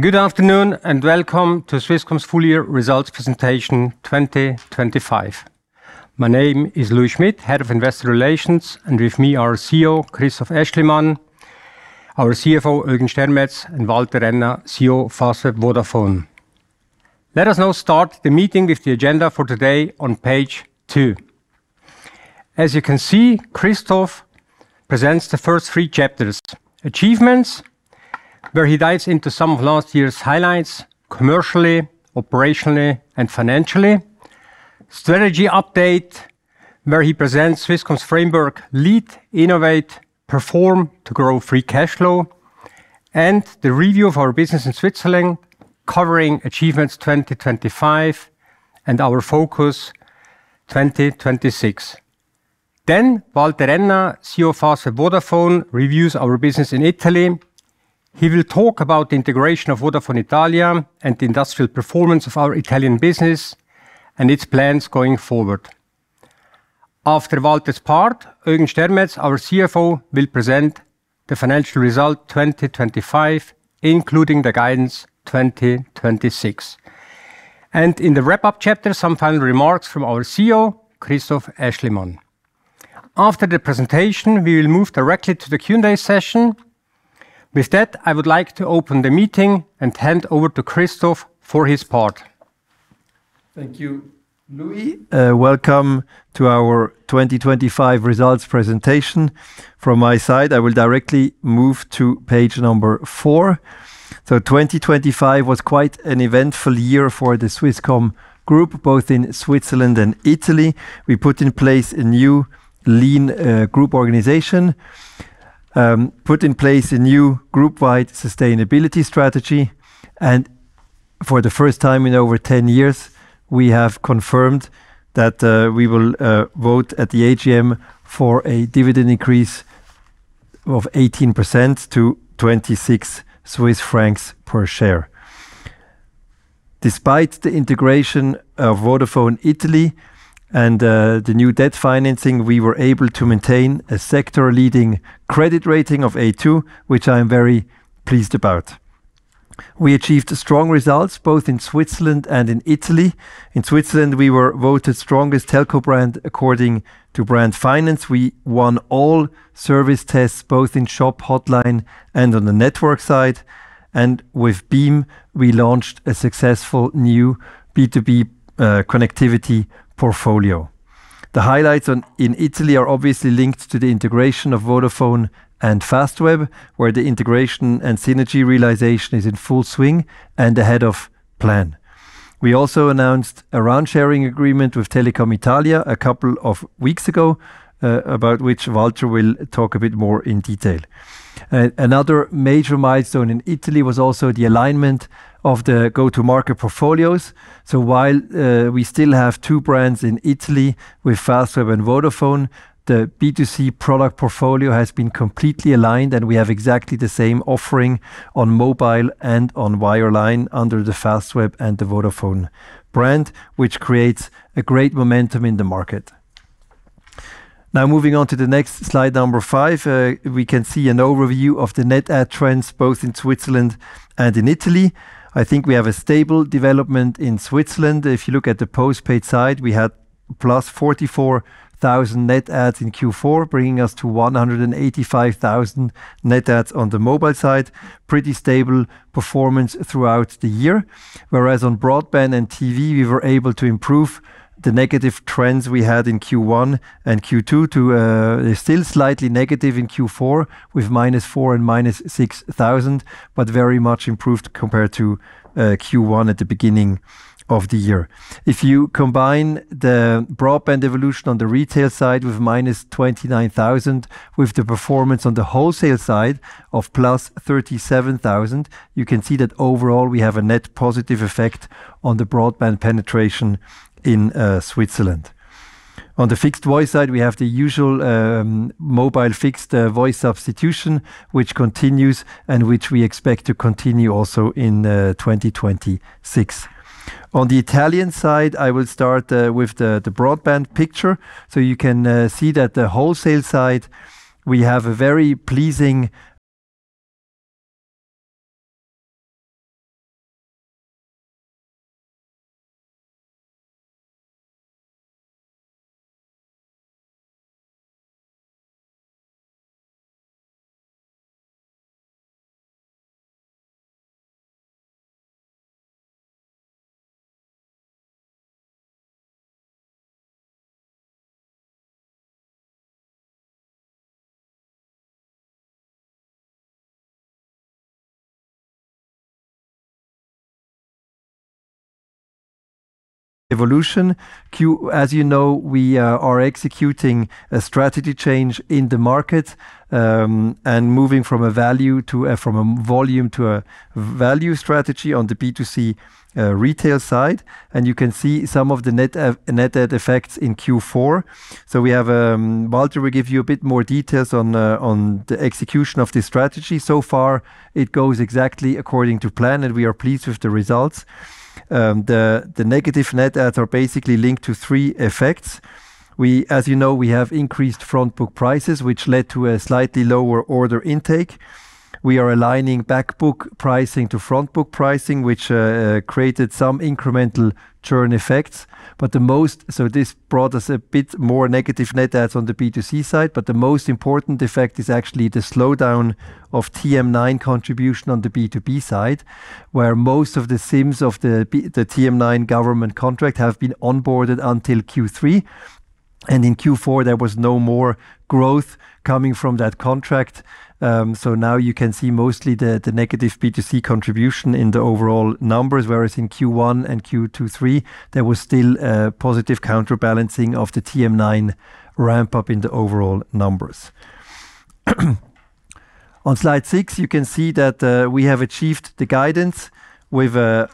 Good afternoon, and welcome to Swisscom's Full Year Results Presentation 2025. My name is Louis Schmid, Head of Investor Relations, and with me are CEO Christoph Aeschlimann, our CFO, Eugen Stermetz, and Walter Renna, CEO of Fastweb Vodafone. Let us now start the meeting with the agenda for today on page two. As you can see, Christoph presents the first three chapters: Achievements, where he dives into some of last year's highlights, commercially, operationally and financially. Strategy Update, where he presents Swisscom's framework: Lead, Innovate, Perform Free Cash Flow. and the Review of our Business in Switzerland, covering achievements 2025 and our focus 2026. Then Walter Renna, CEO of Fastweb Vodafone, reviews our business in Italy. He will talk about the integration of Vodafone Italia and the industrial performance of our Italian business and its plans going forward. After Walter's part, Eugen Stermetz, our CFO, will present the financial result 2025, including the guidance 2026. In the wrap-up chapter, some final remarks from our CEO, Christoph Aeschlimann. After the presentation, we will move directly to the Q&A session. With that, I would like to open the meeting and hand over to Christoph for his part. Thank you, Louis. Welcome to our 2025 results presentation. From my side, I will directly move to page four. 2025 was quite an eventful year for the Swisscom Group, both in Switzerland and Italy. We put in place a new lean group organization, put in place a new group-wide sustainability strategy, and for the first time in over 10 years, we have confirmed that we will vote at the AGM for a dividend increase of 18% to 26 Swiss francs per share. Despite the integration of Vodafone Italia and the new debt financing, we were able to maintain a sector-leading credit rating of A2, which I am very pleased about. We achieved strong results both in Switzerland and in Italy. In Switzerland, we were voted strongest telco brand according to Brand Finance. We won all service tests, both in-shop hotline and on the network side. And with Beem, we launched a successful new B2B connectivity portfolio. The highlights in Italy are obviously linked to the integration of Vodafone and Fastweb, where the integration and synergy realization is in full swing and ahead of plan. We also announced a RAN-sharing agreement with Telecom Italia a couple of weeks ago, about which Walter will talk a bit more in detail. Another major milestone in Italy was also the alignment of the go-to-market portfolios. So while we still have two brands in Italy with Fastweb and Vodafone, the B2C product portfolio has been completely aligned, and we have exactly the same offering on mobile and on wireline under the Fastweb and the Vodafone brand, which creates a great momentum in the market. Now, moving on to the next slide number 5, we can see an overview of the net add trends, both in Switzerland and in Italy. I think we have a stable development in Switzerland. If you look at the postpaid side, we had +44,000 net adds in Q4, bringing us to 185,000 net adds on the mobile side. Pretty stable performance throughout the year. Whereas on broadband and TV, we were able to improve the negative trends we had in Q1 and Q2 to still slightly negative in Q4, with -4,000 and -6,000, but very much improved compared to Q1 at the beginning of the year. If you combine the broadband evolution on the retail side with -29,000, with the performance on the wholesale side of +37,000, you can see that overall we have a net positive effect on the broadband penetration in Switzerland. On the fixed voice side, we have the usual mobile fixed voice substitution, which continues and which we expect to continue also in 2026. On the Italian side, I will start with the broadband picture. So you can see that the wholesale side, we have a very pleasing evolution. As you know, we are executing a strategy change in the market, and moving from a value to a from a volume to a value strategy on the B2C retail side. And you can see some of the net add effects in Q4. So we have, Walter will give you a bit more details on the execution of this strategy. So far, it goes exactly according to plan, and we are pleased with the results. The negative net adds are basically linked to three effects. We, as you know, we have increased front book prices, which led to a slightly lower order intake. We are aligning back book pricing to front book pricing, which created some incremental churn effects. But the most—So this brought us a bit more negative net adds on the B2C side, but the most important effect is actually the slowdown of TM9 contribution on the B2B side, where most of the SIMs of the TM9 government contract have been onboarded until Q3, and in Q4, there was no more growth coming from that contract. So now you can see mostly the negative B2C contribution in the overall numbers, whereas in Q1 and Q2/3, there was still a positive counterbalancing of the TM9 ramp-up in the overall numbers. On slide six, you can see that we have achieved the guidance with a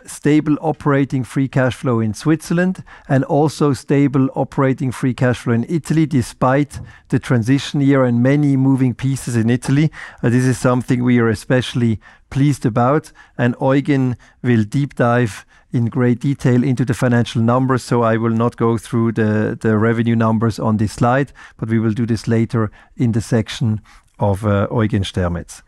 Free Cash Flow in Switzerland and also Free Cash Flow in Italy, despite the transition year and many moving pieces in Italy. This is something we are especially pleased about, and Eugen will deep dive in great detail into the financial numbers, so I will not go through the revenue numbers on this slide, but we will do this later in the section of Eugen Stermetz.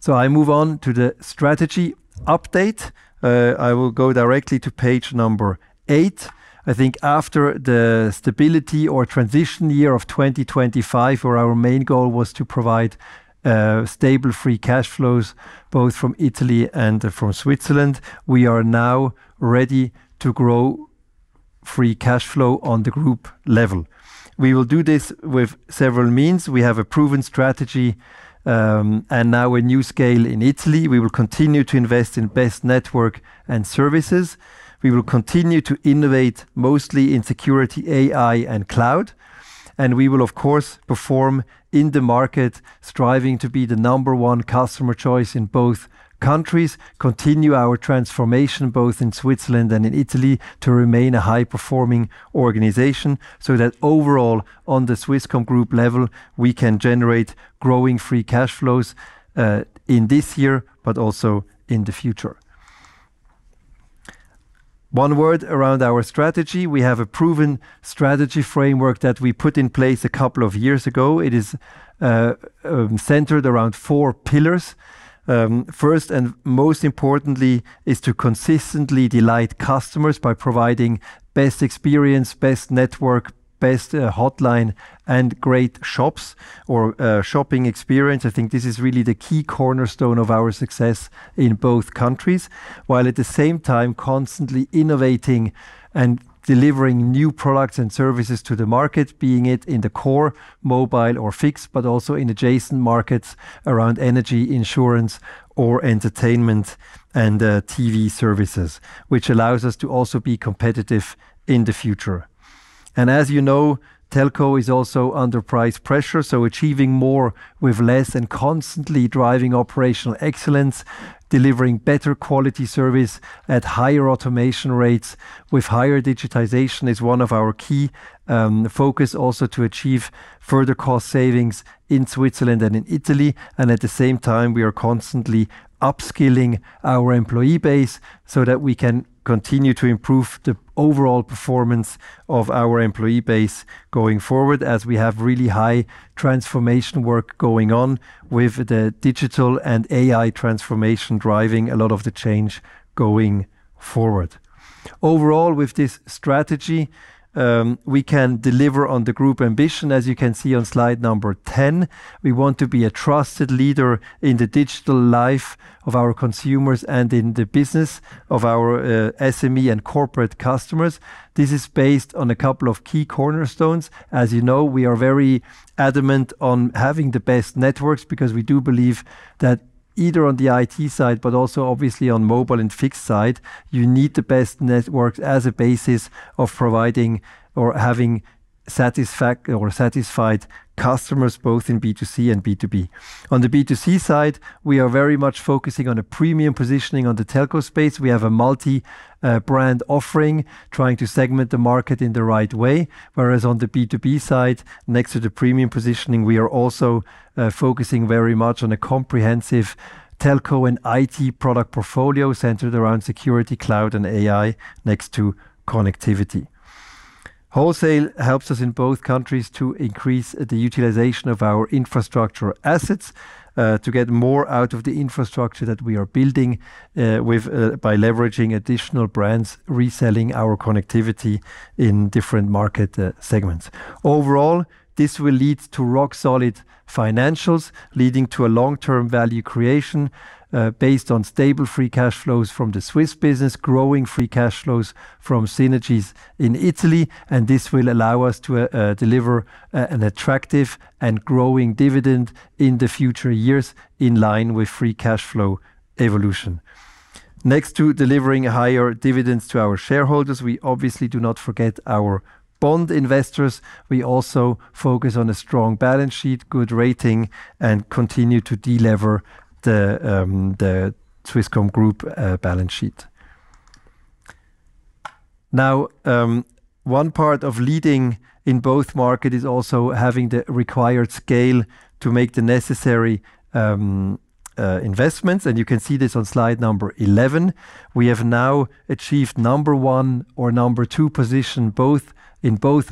So I move on to the strategy update. I will go directly to page number eight. I think after the stability or transition year of 2025, where our main goal was to Free Cash Flows, both from Italy and from Switzerland, we are now ready Free Cash Flow on the group level. We will do this with several means. We have a proven strategy, and now a new scale in Italy. We will continue to invest in best network and services. We will continue to innovate, mostly in security, AI, and cloud. And we will, of course, perform in the market, striving to be the number one customer choice in both countries. Continue our transformation, both in Switzerland and in Italy, to remain a high-performing organization, so that overall, on the Swisscom group level, we can Free Cash Flows in this year, but also in the future. One word around our strategy: we have a proven strategy framework that we put in place a couple of years ago. It is centered around four pillars. First and most importantly, is to consistently delight customers by providing best experience, best network, best hotline, and great shops or shopping experience. I think this is really the key cornerstone of our success in both countries, while at the same time constantly innovating and delivering new products and services to the market, being it in the core, mobile or fixed, but also in adjacent markets around energy, insurance or entertainment and TV services, which allows us to also be competitive in the future. As you know, telco is also under price pressure, so achieving more with less and constantly driving operational excellence, delivering better quality service at higher automation rates with higher digitization is one of our key focus. Also to achieve further cost savings in Switzerland and in Italy. At the same time, we are constantly upskilling our employee base so that we can continue to improve the overall performance of our employee base going forward, as we have really high transformation work going on with the digital and AI transformation, driving a lot of the change going forward. Overall, with this strategy, we can deliver on the group ambition. As you can see on slide number 10, we want to be a trusted leader in the digital life of our consumers and in the business of our SME and corporate customers. This is based on a couple of key cornerstones. As you know, we are very adamant on having the best networks, because we do believe that either on the IT side, but also obviously on mobile and fixed side, you need the best networks as a basis of providing or having satisfied customers, both in B2C and B2B. On the B2C side, we are very much focusing on a premium positioning on the telco space. We have a multi brand offering, trying to segment the market in the right way. Whereas on the B2B side, next to the premium positioning, we are also focusing very much on a comprehensive telco and IT product portfolio centered around security, cloud and AI next to connectivity. Wholesale helps us in both countries to increase the utilization of our infrastructure assets, to get more out of the infrastructure that we are building, with, by leveraging additional brands, reselling our connectivity in different market, segments. Overall, this will lead to rock-solid financials, leading to a long-term value creation, based Free Cash Flows from the Swiss Free Cash Flows from synergies in Italy, and this will allow us to, deliver, an attractive and growing dividend in the future years, in Free Cash Flow evolution. next to delivering higher dividends to our shareholders, we obviously do not forget our bond investors. We also focus on a strong balance sheet, good rating, and continue to delever the, the Swisscom Group, balance sheet. Now, one part of leading in both markets is also having the required scale to make the necessary investments, and you can see this on slide number 11. We have now achieved number one or number two position in both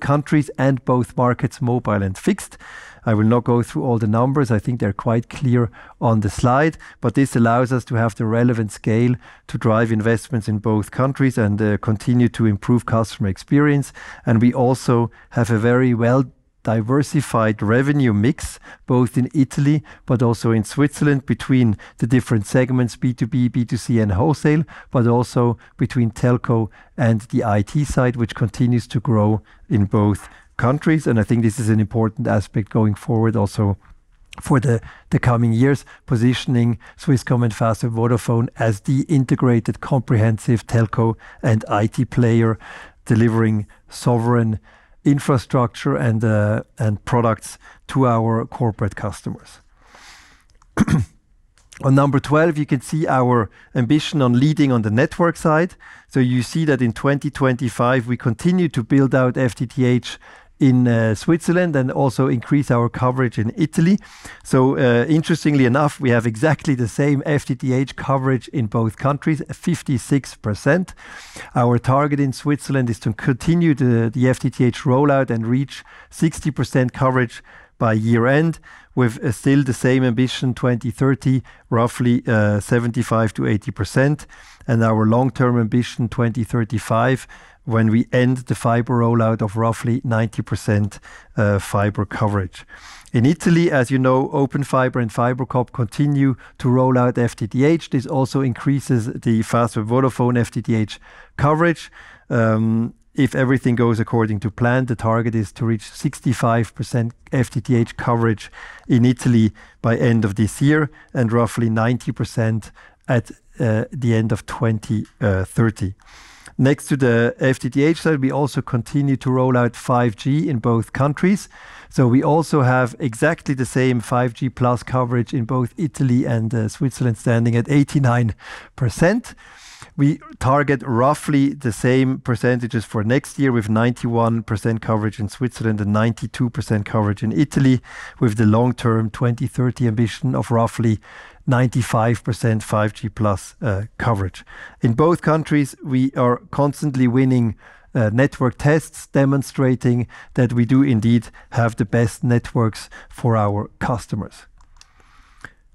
countries and both markets, mobile and fixed. I will not go through all the numbers. I think they're quite clear on the slide, but this allows us to have the relevant scale to drive investments in both countries and continue to improve customer experience. We also have a very well diversified revenue mix, both in Italy, but also in Switzerland, between the different segments B2B, B2C, and wholesale, but also between telco and the IT side, which continues to grow in both countries. I think this is an important aspect going forward also for the coming years, positioning Swisscom and Fastweb Vodafone as the integrated, comprehensive telco and IT player, delivering sovereign infrastructure and products to our corporate customers. On number 12, you can see our ambition on leading on the network side. So you see that in 2025, we continue to build out FTTH in Switzerland and also increase our coverage in Italy. So, interestingly enough, we have exactly the same FTTH coverage in both countries, 56%. Our target in Switzerland is to continue the FTTH rollout and reach 60% coverage by year-end, with still the same ambition, 2030, roughly, 75%-80%. And our long-term ambition, 2035, when we end the fiber rollout of roughly 90% fiber coverage. In Italy, as you know, Open Fiber and FiberCop continue to roll out FTTH. This also increases the Fastweb Vodafone FTTH coverage. If everything goes according to plan, the target is to reach 65% FTTH coverage in Italy by end of this year, and roughly 90% at the end of 2030. Next to the FTTH side, we also continue to roll out 5G in both countries. So we also have exactly the same 5G+ coverage in both Italy and Switzerland, standing at 89%. We target roughly the same percentages for next year, with 91% coverage in Switzerland and 92% coverage in Italy, with the long-term 2030 ambition of roughly 95% 5G +coverage. In both countries, we are constantly winning network tests, demonstrating that we do indeed have the best networks for our customers.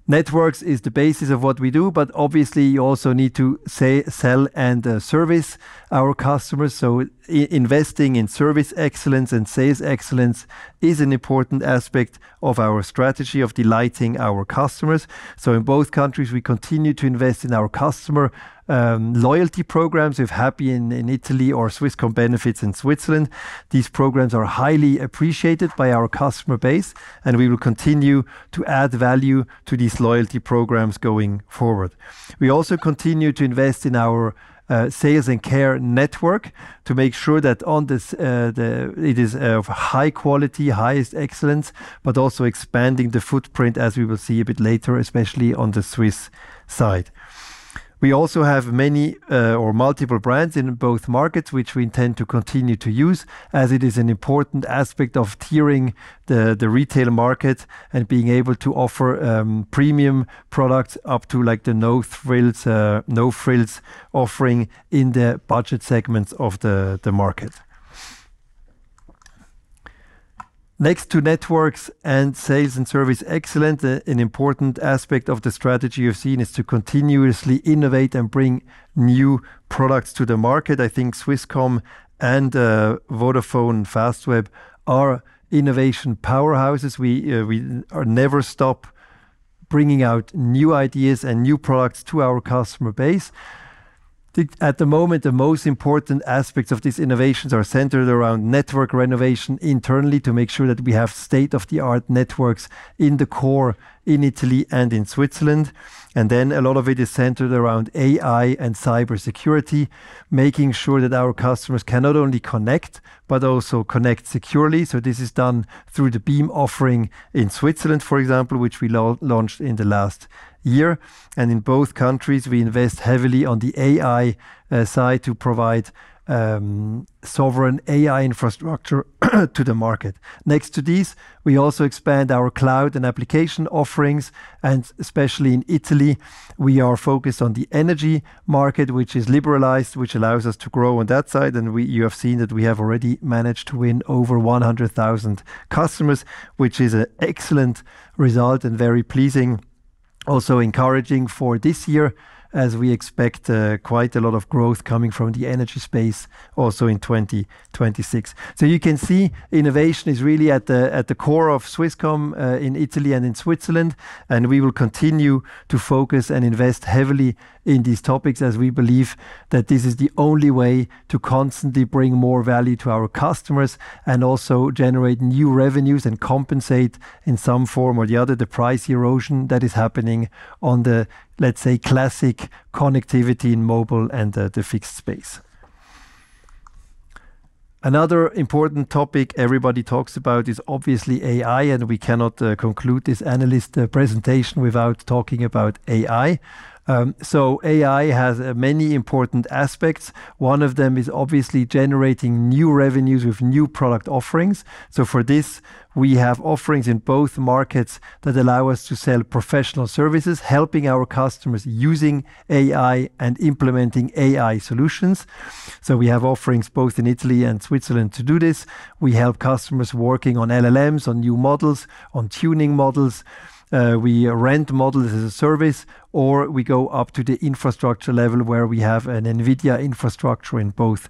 Networks is the basis of what we do, but obviously, you also need to say, sell, and service our customers. So investing in service excellence and sales excellence is an important aspect of our strategy of delighting our customers. So in both countries, we continue to invest in our customer loyalty programs. We have Happy in Italy or Swisscom Benefits in Switzerland. These programs are highly appreciated by our customer base, and we will continue to add value to these loyalty programs going forward. We also continue to invest in our sales and care network to make sure that on this it is of high quality, highest excellence, but also expanding the footprint, as we will see a bit later, especially on the Swiss side. We also have many, or multiple brands in both markets, which we intend to continue to use, as it is an important aspect of tiering the retail market and being able to offer premium products up to like the no thrills, no-frills offering in the budget segments of the market. Next to networks and sales and service excellence, an important aspect of the strategy you've seen is to continuously innovate and bring new products to the market. I think Swisscom and Vodafone Fastweb are innovation powerhouses. We, we are never stop bringing out new ideas and new products to our customer base. At the moment, the most important aspects of these innovations are centered around network renovation internally, to make sure that we have state-of-the-art networks in the core, in Italy and in Switzerland. Then a lot of it is centered around AI and cybersecurity, making sure that our customers can not only connect but also connect securely. So this is done through the Beam offering in Switzerland, for example, which we launched in the last year. And in both countries, we invest heavily on the AI side to provide sovereign AI infrastructure to the market. Next to this, we also expand our cloud and application offerings, and especially in Italy, we are focused on the energy market, which is liberalized, which allows us to grow on that side. And you have seen that we have already managed to win over 100,000 customers, which is an excellent result and very pleasing. Also encouraging for this year, as we expect quite a lot of growth coming from the energy space also in 2026. So you can see innovation is really at the core of Swisscom in Italy and in Switzerland, and we will continue to focus and invest heavily in these topics as we believe that this is the only way to constantly bring more value to our customers and also generate new revenues and compensate in some form or the other, the price erosion that is happening on the, let's say, classic connectivity in mobile and the fixed space. Another important topic everybody talks about is obviously AI, and we cannot conclude this analyst presentation without talking about AI. So AI has many important aspects. One of them is obviously generating new revenues with new product offerings. So for this, we have offerings in both markets that allow us to sell professional services, helping our customers using AI and implementing AI solutions. So we have offerings both in Italy and Switzerland to do this. We help customers working on LLMs, on new models, on tuning models. We rent models as a service, or we go up to the infrastructure level, where we have an NVIDIA infrastructure in both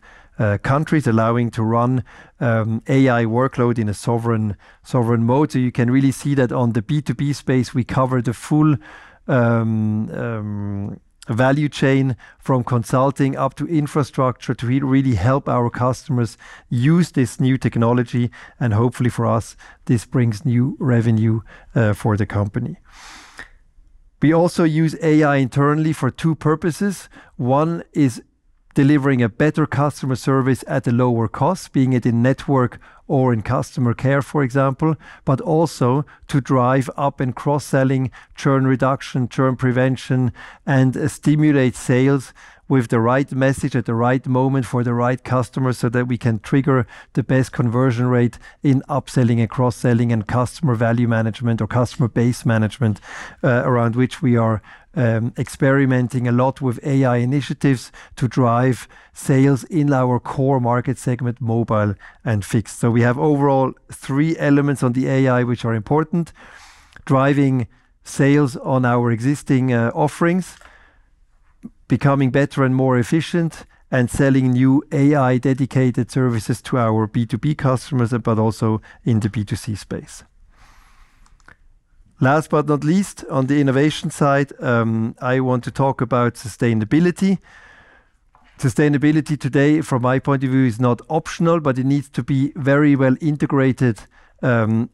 countries, allowing to run AI workload in a sovereign, sovereign mode. So you can really see that on the B2B space, we cover the full value chain from consulting up to infrastructure to really help our customers use this new technology, and hopefully for us, this brings new revenue for the company. We also use AI internally for two purposes. One is delivering a better customer service at a lower cost, be it in network or in customer care, for example, but also to drive up and cross-selling, churn reduction, churn prevention, and stimulate sales with the right message at the right moment for the right customer, so that we can trigger the best conversion rate in upselling and cross-selling and customer value management or customer base management, around which we are experimenting a lot with AI initiatives to drive sales in our core market segment, mobile and fixed. So we have overall three elements on the AI, which are important: driving sales on our existing offerings, becoming better and more efficient, and selling new AI-dedicated services to our B2B customers, but also in the B2C space. Last but not least, on the innovation side, I want to talk about sustainability. Sustainability today, from my point of view, is not optional, but it needs to be very well integrated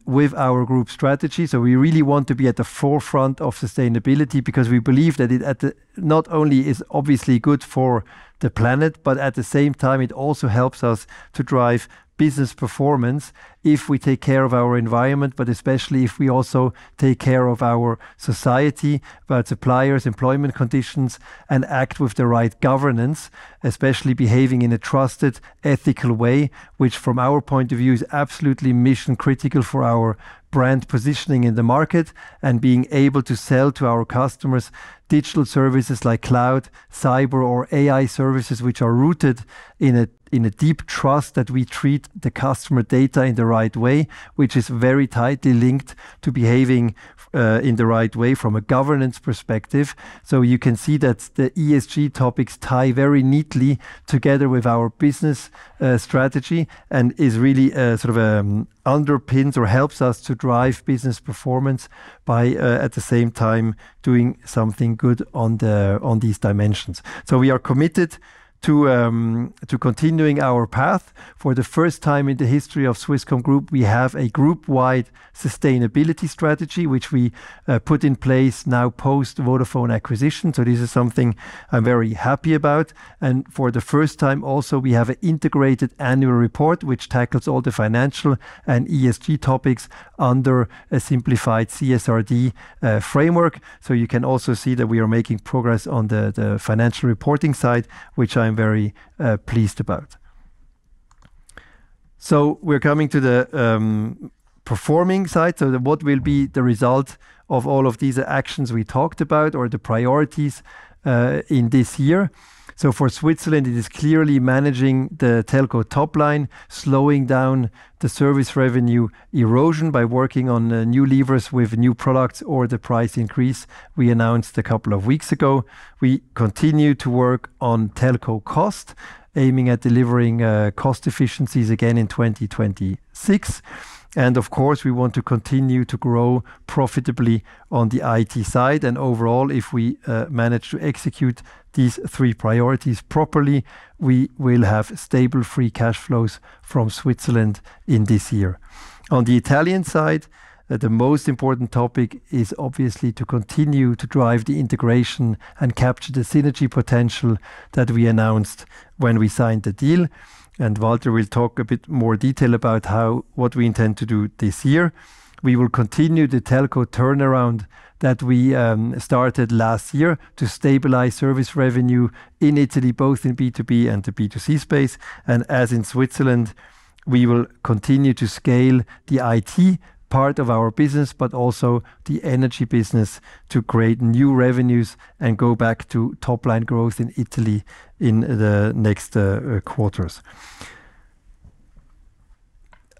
with our group strategy. So we really want to be at the forefront of sustainability because we believe that it not only is obviously good for the planet, but at the same time, it also helps us to drive business performance if we take care of our environment, but especially if we also take care of our society, about suppliers, employment conditions, and act with the right governance, especially behaving in a trusted, ethical way, which, from our point of view, is absolutely mission-critical for our brand positioning in the market and being able to sell to our customers digital services like cloud, cyber, or AI services, which are rooted in a, in a deep trust that we treat the customer data in the right way, which is very tightly linked to behaving in the right way from a governance perspective. So you can see that the ESG topics tie very neatly together with our business strategy and is really sort of underpins or helps us to drive business performance by at the same time doing something good on these dimensions. So we are committed to continuing our path. For the first time in the history of Swisscom Group, we have a group-wide sustainability strategy, which we put in place now post-Vodafone acquisition. So this is something I'm very happy about. And for the first time also, we have an integrated annual report, which tackles all the financial and ESG topics under a simplified CSRD framework. So you can also see that we are making progress on the financial reporting side, which I am very pleased about. So we're coming to the performing side. So what will be the result of all of these actions we talked about or the priorities in this year? So for Switzerland, it is clearly managing the telco top line, slowing down the service revenue erosion by working on new levers with new products or the price increase we announced a couple of weeks ago. We continue to work on telco cost, aiming at delivering cost efficiencies again in 2026. And of course, we want to continue to grow profitably on the IT side. And overall, if we manage to execute these three priorities properly, we will Free Cash Flows from Switzerland in this year. On the Italian side, the most important topic is obviously to continue to drive the integration and capture the synergy potential that we announced when we signed the deal, and Walter will talk a bit more detail about how what we intend to do this year. We will continue the telco turnaround that we started last year to stabilize service revenue in Italy, both in B2B and the B2C space. As in Switzerland, we will continue to scale the IT part of our business, but also the energy business, to create new revenues and go back to top-line growth in Italy in the next quarters.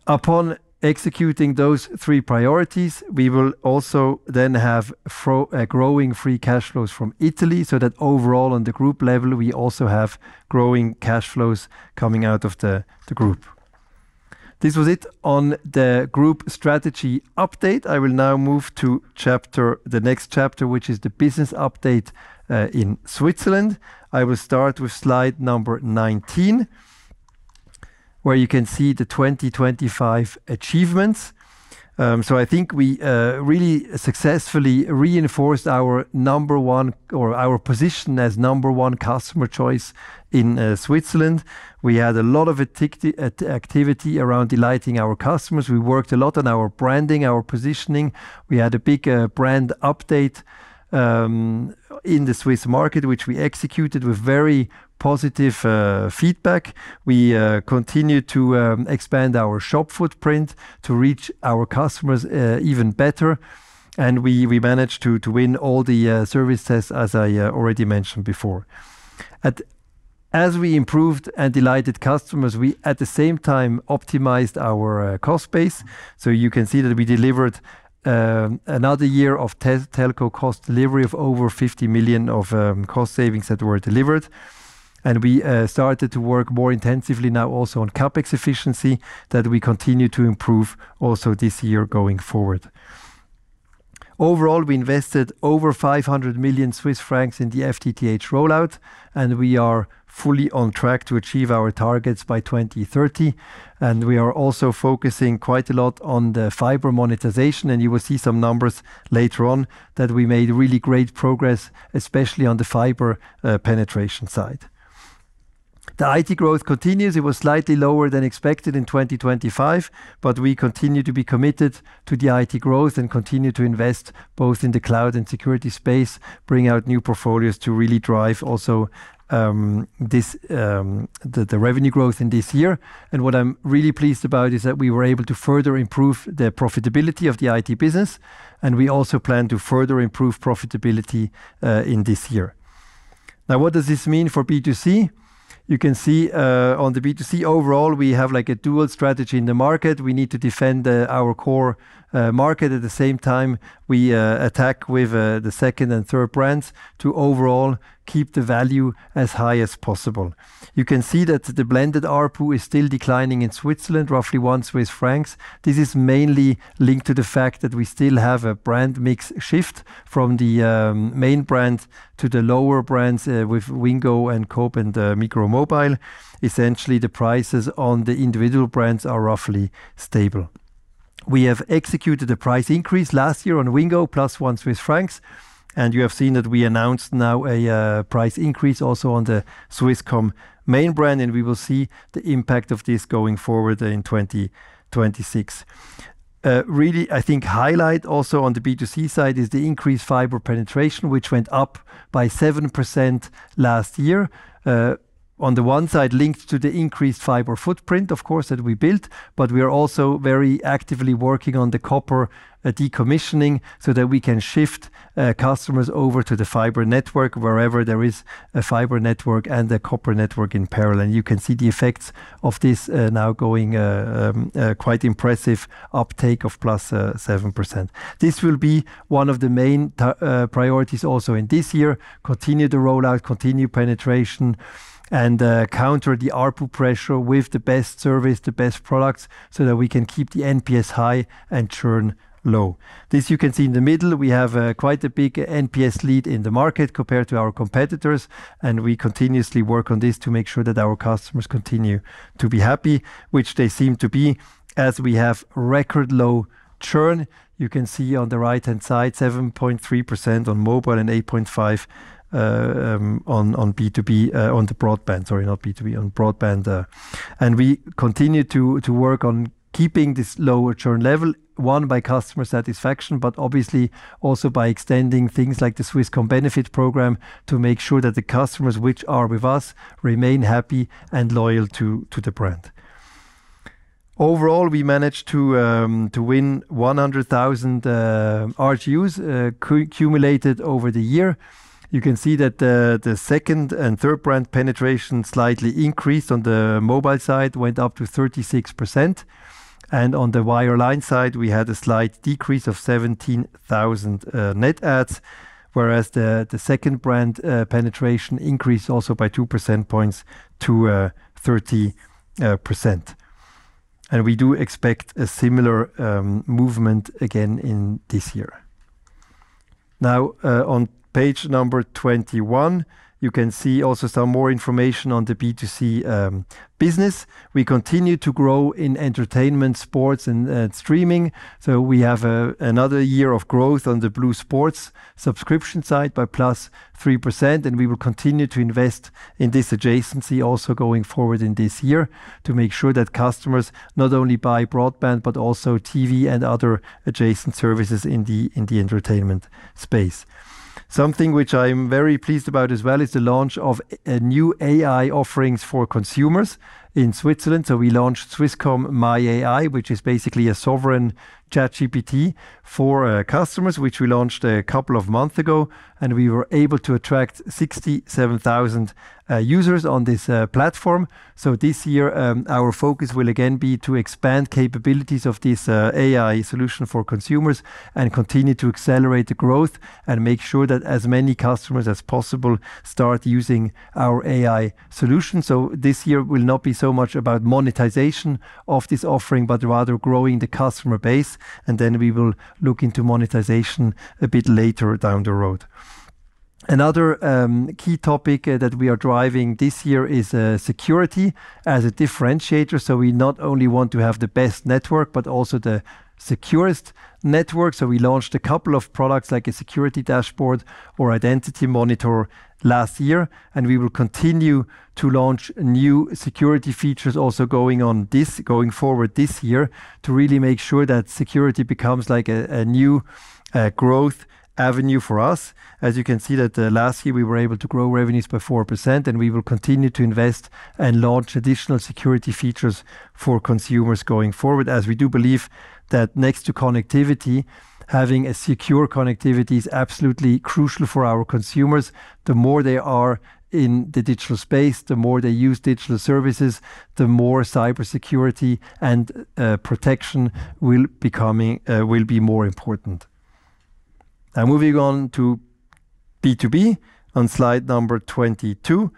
Upon executing those three priorities, we will also then have from Free Cash Flows from Italy, so that overall, on the group level, we also have growing cash flows coming out of the group. This was it on the group strategy update. I will now move to the next chapter, which is the business update in Switzerland. I will start with slide number 19, where you can see the 2025 achievements. So I think we really successfully reinforced our number one or our position as number one customer choice in Switzerland. We had a lot of activity around delighting our customers. We worked a lot on our branding, our positioning. We had a big brand update in the Swiss market, which we executed with very positive feedback. We continued to expand our shop footprint to reach our customers even better, and we managed to win all the services as I already mentioned before. As we improved and delighted customers, we at the same time optimized our cost base. So you can see that we delivered another year of telco cost delivery of over 50 million of cost savings that were delivered. And we started to work more intensively now also on CapEx efficiency, that we continue to improve also this year going forward. Overall, we invested over 500 million Swiss francs in the FTTH rollout, and we are fully on track to achieve our targets by 2030. And we are also focusing quite a lot on the fiber monetization, and you will see some numbers later on that we made really great progress, especially on the fiber penetration side. The IT growth continues. It was slightly lower than expected in 2025, but we continue to be committed to the IT growth and continue to invest both in the cloud and security space, bring out new portfolios to really drive also this revenue growth in this year. And what I'm really pleased about is that we were able to further improve the profitability of the IT business, and we also plan to further improve profitability in this year. Now, what does this mean for B2C? You can see on the B2C overall, we have like a dual strategy in the market. We need to defend our core market. At the same time, we attack with the second and third brands to overall keep the value as high as possible. You can see that the blended ARPU is still declining in Switzerland, roughly 1 Swiss francs. This is mainly linked to the fact that we still have a brand mix shift from the main brand to the lower brands with Wingo and Coop and Migros Mobile. Essentially, the prices on the individual brands are roughly stable. We have executed a price increase last year on Wingo, plus 1 Swiss francs, and you have seen that we announced now a price increase also on the Swisscom main brand, and we will see the impact of this going forward in 2026. Really, I think highlight also on the B2C side is the increased fiber penetration, which went up by 7% last year. On the one side, linked to the increased fiber footprint, of course, that we built, but we are also very actively working on the copper decommissioning so that we can shift customers over to the fiber network wherever there is a fiber network and a copper network in parallel. You can see the effects of this now going quite impressive uptake of +7%. This will be one of the main priorities also in this year. Continue the rollout, continue penetration, and counter the ARPU pressure with the best service, the best products, so that we can keep the NPS high and churn low. This you can see in the middle. We have quite a big NPS lead in the market compared to our competitors, and we continuously work on this to make sure that our customers continue to be happy, which they seem to be, as we have record low churn. You can see on the right-hand side, 7.3% on mobile and 8.5%, on B2B, on the broadband, sorry, not B2B, on broadband. And we continue to work on keeping this lower churn level, one, by customer satisfaction, but obviously also by extending things like the Swisscom Benefit Program to make sure that the customers which are with us remain happy and loyal to the brand. Overall, we managed to win 100,000 RGUs, cumulated over the year. You can see that the second and third brand penetration slightly increased on the mobile side, went up to 36%, and on the wireline side, we had a slight decrease of 17,000 net adds, whereas the second brand penetration increased also by 2 percentage points to 30%. And we do expect a similar movement again in this year. Now, on page number 21, you can see also some more information on the B2C business. We continue to grow in entertainment, sports, and streaming. So we have another year of growth on the blue Sports subscription side by plus 3%, and we will continue to invest in this adjacency also going forward in this year, to make sure that customers not only buy broadband, but also TV and other adjacent services in the entertainment space. Something which I'm very pleased about as well is the launch of a new AI offerings for consumers in Switzerland. So we launched Swisscom My AI, which is basically a sovereign ChatGPT for customers, which we launched a couple of months ago, and we were able to attract 67,000 users on this platform. So this year, our focus will again be to expand capabilities of this AI solution for consumers and continue to accelerate the growth and make sure that as many customers as possible start using our AI solution. So this year will not be so much about monetization of this offering, but rather growing the customer base, and then we will look into monetization a bit later down the road. Another key topic that we are driving this year is security as a differentiator. So we not only want to have the best network, but also the securest network. So we launched a couple of products, like a security dashboard or identity monitor last year, and we will continue to launch new security features also going forward this year, to really make sure that security becomes like a, a new growth avenue for us. As you can see that last year, we were able to grow revenues by 4%, and we will continue to invest and launch additional security features for consumers going forward, as we do believe that next to connectivity, having a secure connectivity is absolutely crucial for our consumers. The more they are in the digital space, the more they use digital services, the more cybersecurity and protection will be more important. Now moving on to B2B, on slide number 22.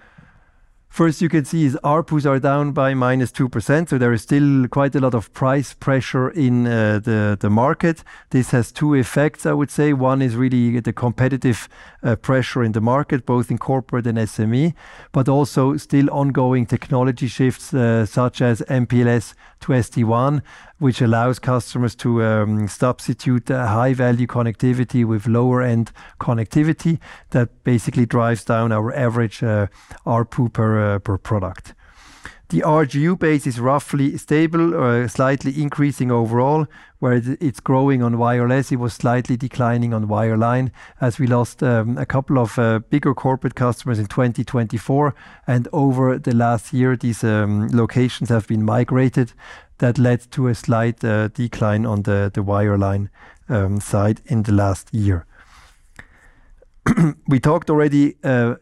First, you can see is ARPUs are down by minus 2%, so there is still quite a lot of price pressure in the market. This has two effects, I would say. One is really the competitive pressure in the market, both in corporate and SME, but also still ongoing technology shifts, such as MPLS to SD-WAN, which allows customers to substitute a high-value connectivity with lower-end connectivity. That basically drives down our average ARPU per product. The RGU base is roughly stable or slightly increasing overall. Where it is growing on wireless, it was slightly declining on wireline as we lost a couple of bigger corporate customers in 2024. And over the last year, these locations have been migrated. That led to a slight decline on the wireline side in the last year. We talked already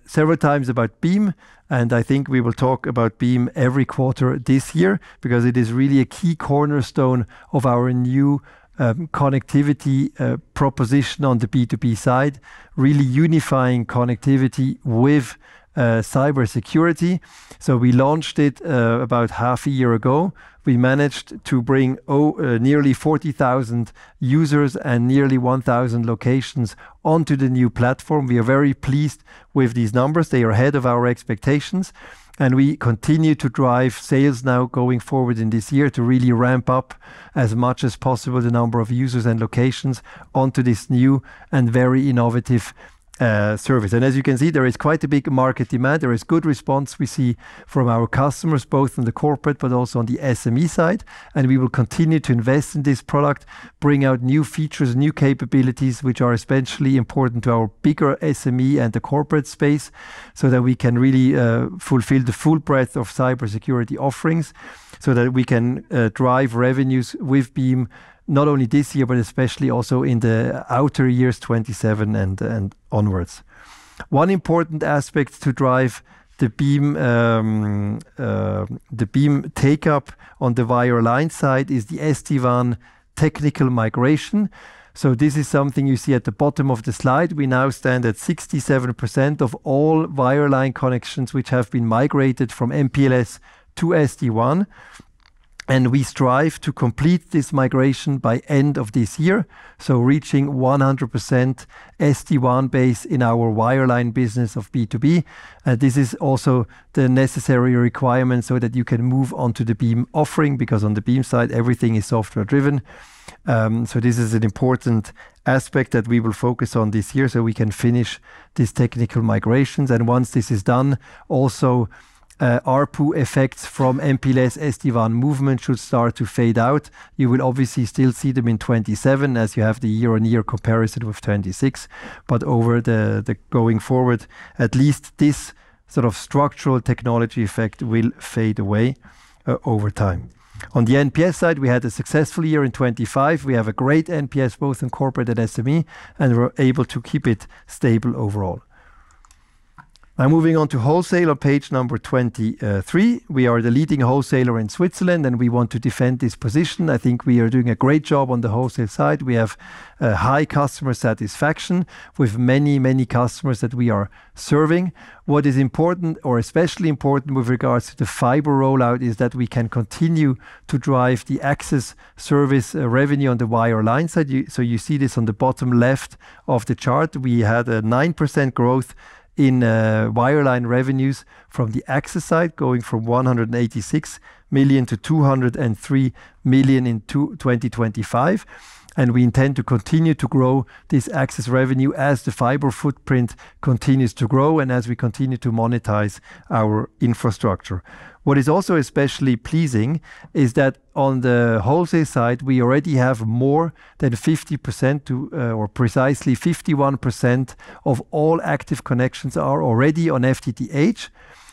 several times about Beam, and I think we will talk about Beam every quarter this year, because it is really a key cornerstone of our new connectivity proposition on the B2B side, really unifying connectivity with cybersecurity. So we launched it about half a year ago. We managed to bring nearly 40,000 users and nearly 1,000 locations onto the new platform. We are very pleased with these numbers. They are ahead of our expectations, and we continue to drive sales now going forward in this year to really ramp up as much as possible the number of users and locations onto this new and very innovative service. As you can see, there is quite a big market demand. There is good response we see from our customers, both on the corporate but also on the SME side, and we will continue to invest in this product, bring out new features, new capabilities, which are especially important to our bigger SME and the corporate space, so that we can really, fulfill the full breadth of cybersecurity offerings, so that we can, drive revenues with Beam, not only this year, but especially also in the outer years, 2027 and onwards. One important aspect to drive the Beam, the Beam take-up on the wireline side is the SD-WAN technical migration. So this is something you see at the bottom of the slide. We now stand at 67% of all wireline connections, which have been migrated from MPLS to SD-WAN, and we strive to complete this migration by end of this year, so reaching 100% SD-WAN base in our wireline business of B2B. This is also the necessary requirement so that you can move on to the Beam offering, because on the Beam side, everything is software-driven. So this is an important aspect that we will focus on this year, so we can finish these technical migrations. And once this is done, also, ARPU effects from MPLS SD-WAN movement should start to fade out. You will obviously still see them in 2027, as you have the year-on-year comparison with 2026. But over the, the going forward, at least this sort of structural technology effect will fade away, over time. On the NPS side, we had a successful year in 2025. We have a great NPS, both in corporate and SME, and we're able to keep it stable overall. Now moving on to wholesaler, page number 23. We are the leading wholesaler in Switzerland, and we want to defend this position. I think we are doing a great job on the wholesale side. We have a high customer satisfaction with many, many customers that we are serving. What is important or especially important with regards to the fiber rollout, is that we can continue to drive the access service revenue on the wireline side. So you see this on the bottom left of the chart. We had a 9% growth in wireline revenues from the access side, going from 186 millionCHF - 203 million in 2025. We intend to continue to grow this access revenue as the fiber footprint continues to grow and as we continue to monetize our infrastructure. What is also especially pleasing is that on the wholesale side, we already have more than 50% to, or precisely 51% of all active connections are already on FTTH.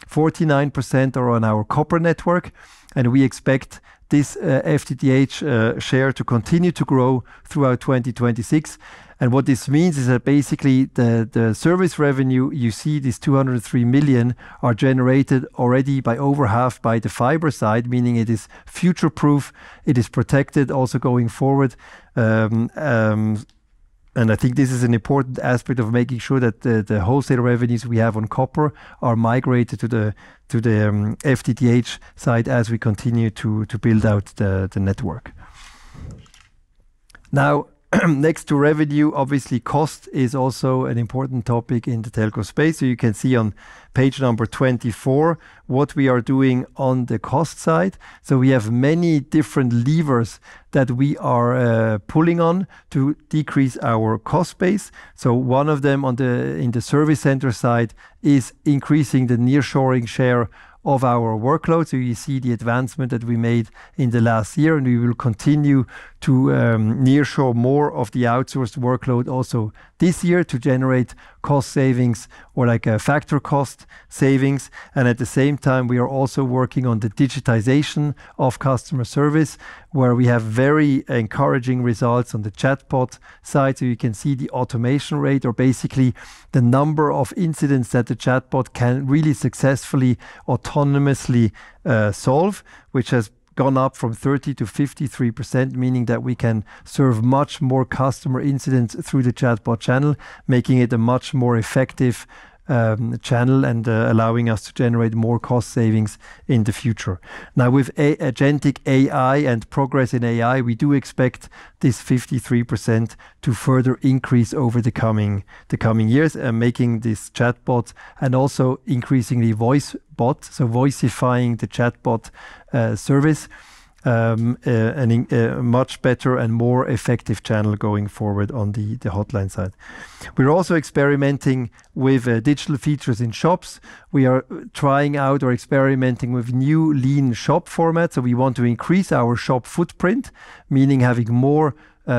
49% are on our copper network, and we expect this, FTTH, share to continue to grow throughout 2026. What this means is that basically the, the service revenue, you see these 203 million, are generated already by over half by the fiber side, meaning it is future-proof, it is protected also going forward. I think this is an important aspect of making sure that the wholesaler revenues we have on copper are migrated to the FTTH side as we continue to build out the network. Now, next to revenue, obviously cost is also an important topic in the telco space. You can see on page number 24 what we are doing on the cost side. We have many different levers that we are pulling on to decrease our cost base. One of them in the service center side is increasing the nearshoring share of our workload. You see the advancement that we made in the last year, and we will continue to nearshore more of the outsourced workload also this year to generate cost savings or like a factor cost savings. At the same time, we are also working on the digitization of customer service, where we have very encouraging results on the chatbot side. You can see the automation rate or basically the number of incidents that the chatbot can really successfully, autonomously, solve, which has gone up from 30%-53%, meaning that we can serve much more customer incidents through the chatbot channel, making it a much more effective channel and allowing us to generate more cost savings in the future. Now, with agentic AI and progress in AI, we do expect this 53% to further increase over the coming years, making these chatbots and also increasingly voice bots, so voicifying the chatbot service a much better and more effective channel going forward on the hotline side. We're also experimenting with digital features in shops. We are trying out or experimenting with new lean shop formats. So we want to increase our shop footprint, meaning having more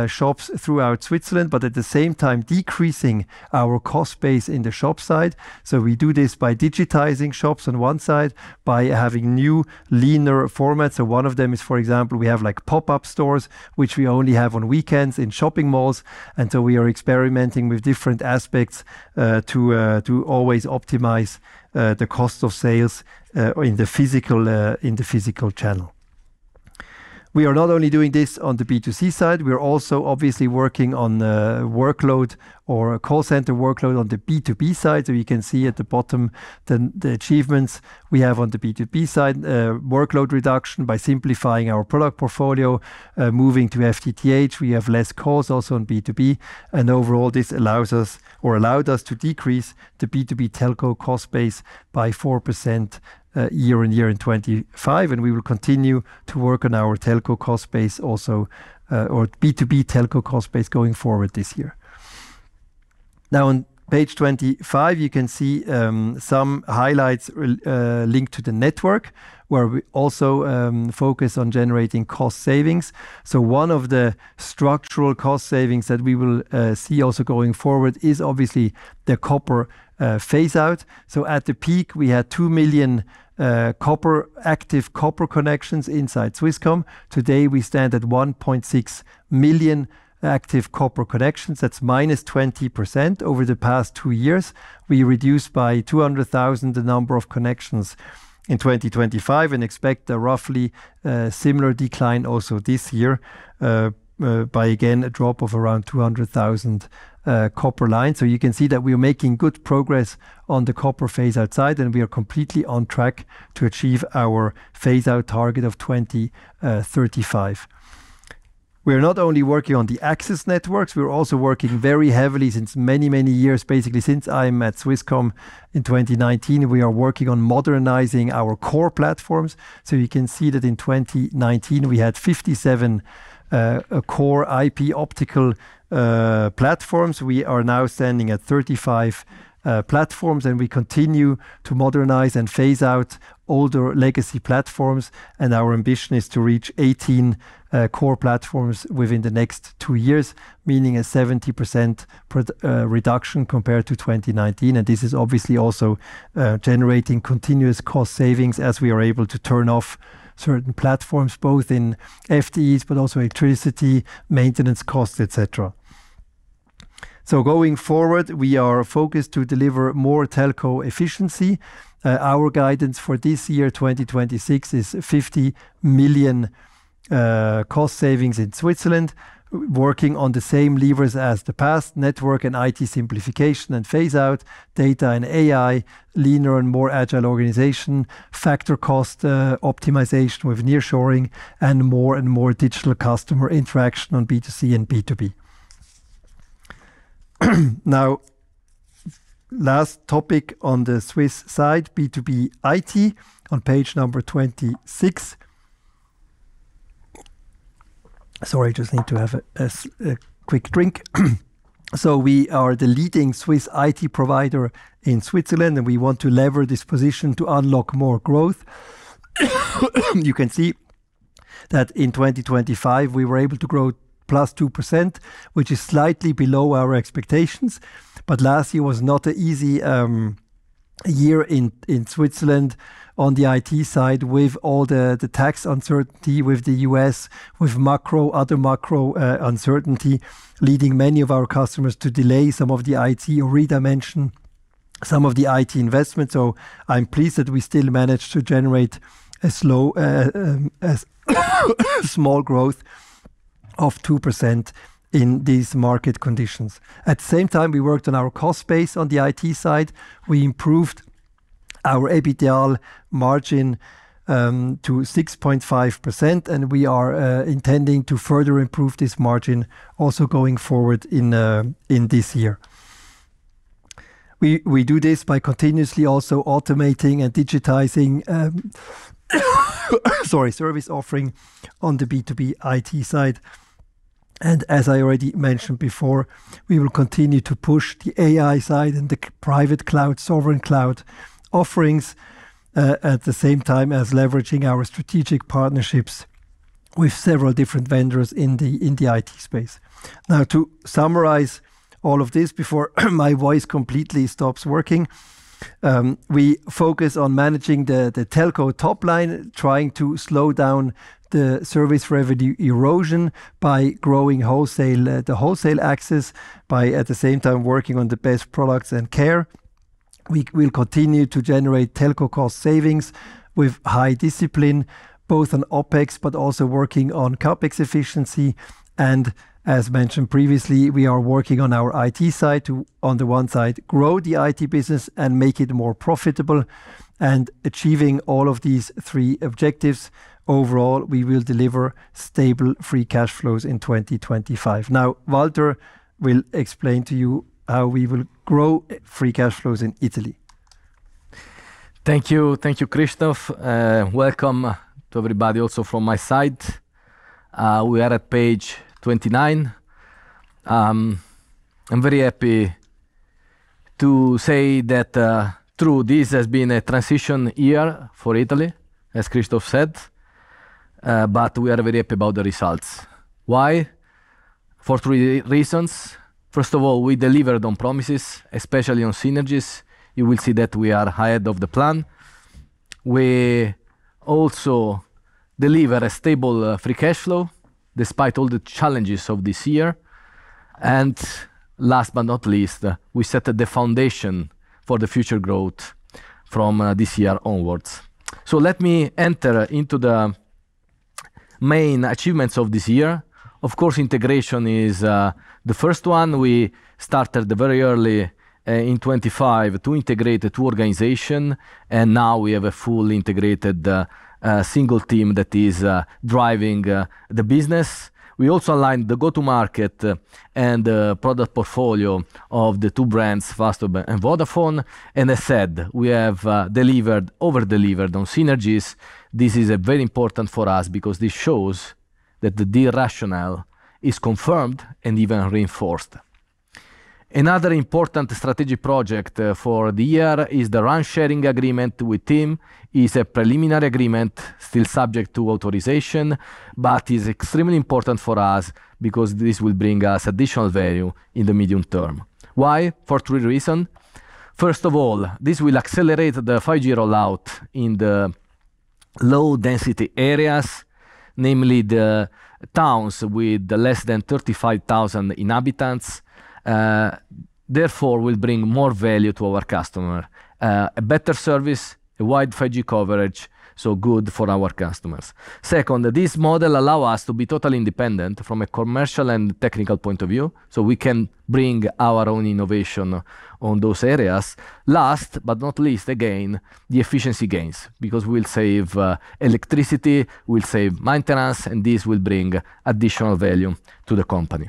shops throughout Switzerland, but at the same time decreasing our cost base in the shop side. So we do this by digitizing shops on one side, by having new leaner formats. So one of them is, for example, we have like pop-up stores, which we only have on weekends in shopping malls, and so we are experimenting with different aspects to always optimize the cost of sales in the physical channel. We are not only doing this on the B2C side, we are also obviously working on the workload or call center workload on the B2B side. So you can see at the bottom the achievements we have on the B2B side, workload reduction by simplifying our product portfolio, moving to FTTH. We have less calls also on B2B, and overall, this allows us or allowed us to decrease the B2B telco cost base by 4%, year-on-year in 2025, and we will continue to work on our telco cost base also, or B2B telco cost base going forward this year. Now, on page 25, you can see some highlights linked to the network, where we also focus on generating cost savings. So one of the structural cost savings that we will see also going forward is obviously the copper phase-out. So at the peak, we had 2 million active copper connections inside Swisscom. Today, we stand at 1.6 million active copper connections. That's -20% over the past two years. We reduced by 200,000 the number of connections in 2025 and expect a roughly, similar decline also this year, by again, a drop of around 200,000, copper lines. So you can see that we are making good progress on the copper phase-out, and we are completely on track to achieve our phase-out target of 2035. We are not only working on the access networks, we are also working very heavily since many, many years. Basically, since I'm at Swisscom in 2019, we are working on modernizing our core platforms. So you see that in 2019, we had 57, core IP/Optical, platforms. We are now standing at 35 platforms, and we continue to modernize and phase out older legacy platforms. Our ambition is to reach 18 core platforms within the next two years, meaning a 70% reduction compared to 2019. And this is obviously also generating continuous cost savings as we are able to turn off certain platforms, both in FTEs but also electricity, maintenance costs, etc. So going forward, we are focused to deliver more telco efficiency. Our guidance for this year, 2026, is 50 million cost savings in Switzerland, working on the same levers as the past: network and IT simplification and phase out, data and AI, leaner and more agile organization, factor cost optimization with nearshoring, and more and more digital customer interaction on B2C and B2B. Now, last topic on the Swiss side, B2B IT on page number 26. Sorry, I just need to have a quick drink. So we are the leading Swiss IT provider in Switzerland, and we want to leverage this position to unlock more growth. You can see that in 2025, we were able to grow +2%, which is slightly below our expectations. But last year was not an easy year in Switzerland on the IT side, with all the tax uncertainty with the U.S., with macro, other macro uncertainty, leading many of our customers to delay some of the IT or redimension some of the IT investments. So I'm pleased that we still managed to generate a small growth of 2% in these market conditions. At the same time, we worked on our cost base on the IT side. We improved our EBITDA margin to 6.5%, and we are intending to further improve this margin also going forward in this year. We do this by continuously also automating and digitizing service offering on the B2B IT side. And as I already mentioned before, we will continue to push the AI side and the key private cloud, sovereign cloud offerings at the same time as leveraging our strategic partnerships with several different vendors in the IT space. Now, to summarize all of this before my voice completely stops working, we focus on managing the telco top line, trying to slow down the service revenue erosion by growing wholesale, the wholesale access by, at the same time, working on the best products and care. We will continue to generate telco cost savings with high discipline, both on OpEx, but also working on CapEx efficiency. As mentioned previously, we are working on our IT side to, on the one side, grow the IT business and make it more profitable. Achieving all of these three objectives, overall, we will Free Cash Flows in 2025. Now, Walter will explain to you how we Free Cash Flows in Italy. Thank you. Thank you, Christoph. Welcome to everybody, also from my side. We are at page 29. I'm very happy to say that truly, this has been a transition year for Italy, as Christoph said, but we are very happy about the results. Why? For three reasons. First of all, we delivered on promises, especially on synergies. You will see that we are ahead of the plan. We also deliver Free Cash Flow despite all the challenges of this year. And last but not least, we set the foundation for the future growth from this year onwards. So let me enter into the main achievements of this year. Of course, integration is the first one. We started very early in 2025 to integrate the two organization, and now we have a full integrated single team that is driving the business. We also aligned the go-to-market and product portfolio of the two brands, Fastweb and Vodafone. And I said, we have delivered over-delivered on synergies. This is very important for us because this shows that the deal rationale is confirmed and even reinforced. Another important strategic project for the year is the RAN sharing agreement with TIM, is a preliminary agreement, still subject to authorization, but is extremely important for us because this will bring us additional value in the medium term. Why? For three reason. First of all, this will accelerate the 5G rollout in the low-density areas, namely the towns with less than 35,000 inhabitants, therefore will bring more value to our customer. A better service, a wide 5G coverage, so good for our customers. Second, this model allow us to be totally independent from a commercial and technical point of view, so we can bring our own innovation on those areas. Last but not least, again, the efficiency gains, because we'll save electricity, we'll save maintenance, and this will bring additional value to the company.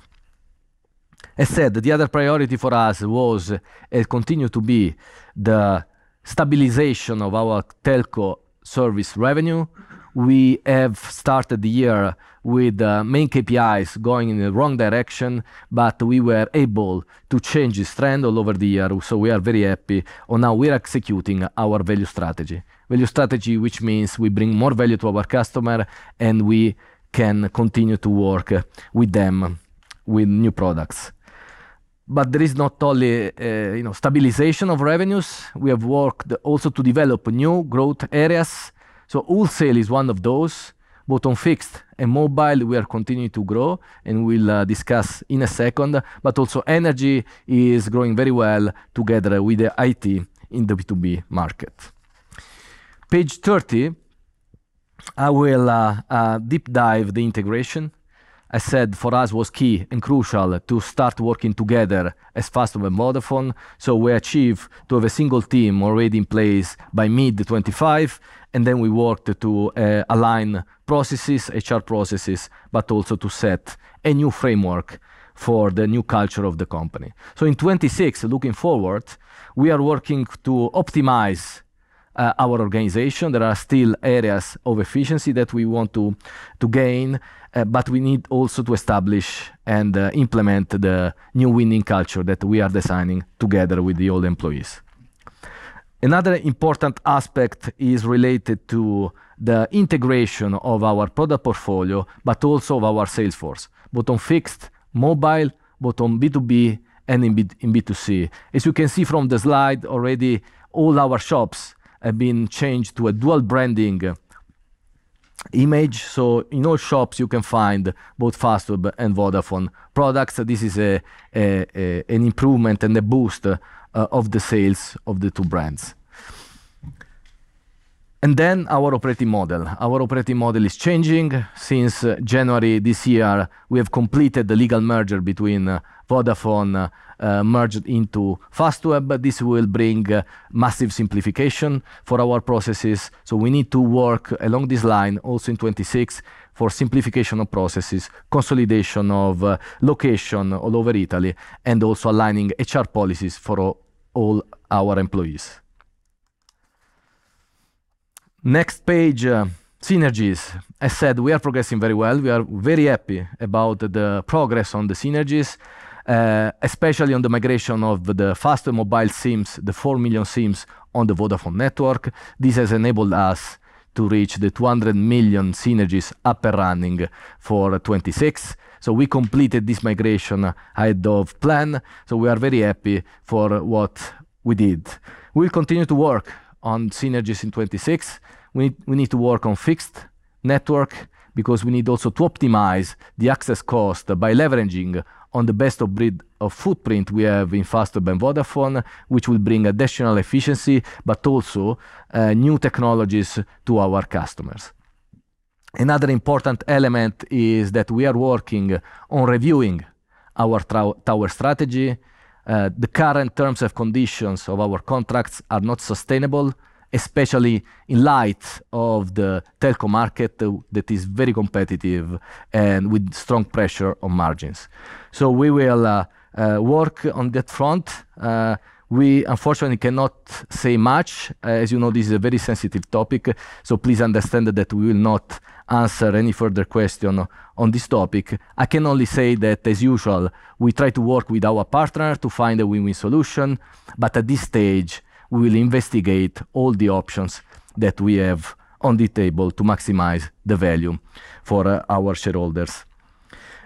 I said the other priority for us was, it continue to be the stabilization of our telco service revenue. We have started the year with main KPIs going in the wrong direction, but we were able to change this trend all over the year, so we are very happy. Well, now we are executing our value strategy. Value strategy, which means we bring more value to our customer, and we can continue to work with them with new products. But there is not only, you know, stabilization of revenues, we have worked also to develop new growth areas. So wholesale is one of those, both on fixed and mobile, we are continuing to grow, and we'll discuss in a second. But also energy is growing very well together with the IT in the B2B market. Page 30, I will deep dive the integration. I said for us was key and crucial to start working together as Fastweb and Vodafone, so we achieve to have a single team already in place by mid-2025, and then we worked to align processes, HR processes, but also to set a new framework for the new culture of the company. So in 2026, looking forward, we are working to optimize our organization. There are still areas of efficiency that we want to gain, but we need also to establish and implement the new winning culture that we are designing together with the old employees. Another important aspect is related to the integration of our product portfolio, but also of our sales force, both on fixed, mobile, both on B2B and in B2C. As you can see from the slide already, all our shops have been changed to a dual branding image, so in all shops you can find both Fastweb and Vodafone products. This is an improvement and a boost of the sales of the two brands. Then our operating model. Our operating model is changing. Since January this year, we have completed the legal merger between Vodafone merged into Fastweb, but this will bring massive simplification for our processes. We need to work along this line also in 2026 for simplification of processes, consolidation of location all over Italy, and also aligning HR policies for all our employees. Next page, synergies. As said, we are progressing very well. We are very happy about the progress on the synergies, especially on the migration of the Fastweb mobile SIMs, the 4 million SIMs on the Vodafone network. This has enabled us to reach the 200 million synergies up and running for 2026. So we completed this migration ahead of plan, so we are very happy for what we did. We'll continue to work on synergies in 2026. We need to work on fixed network because we need also to optimize the access cost by leveraging on the best of breed of footprint we have in Fastweb and Vodafone, which will bring additional efficiency, but also new technologies to our customers. Another important element is that we are working on reviewing our tower strategy. The current terms of conditions of our contracts are not sustainable, especially in light of the telco market that is very competitive and with strong pressure on margins. So we will work on that front. We unfortunately cannot say much. As you know, this is a very sensitive topic, so please understand that we will not answer any further question on this topic. I can only say that, as usual, we try to work with our partner to find a win-win solution, but at this stage, we will investigate all the options that we have on the table to maximize the value for our shareholders.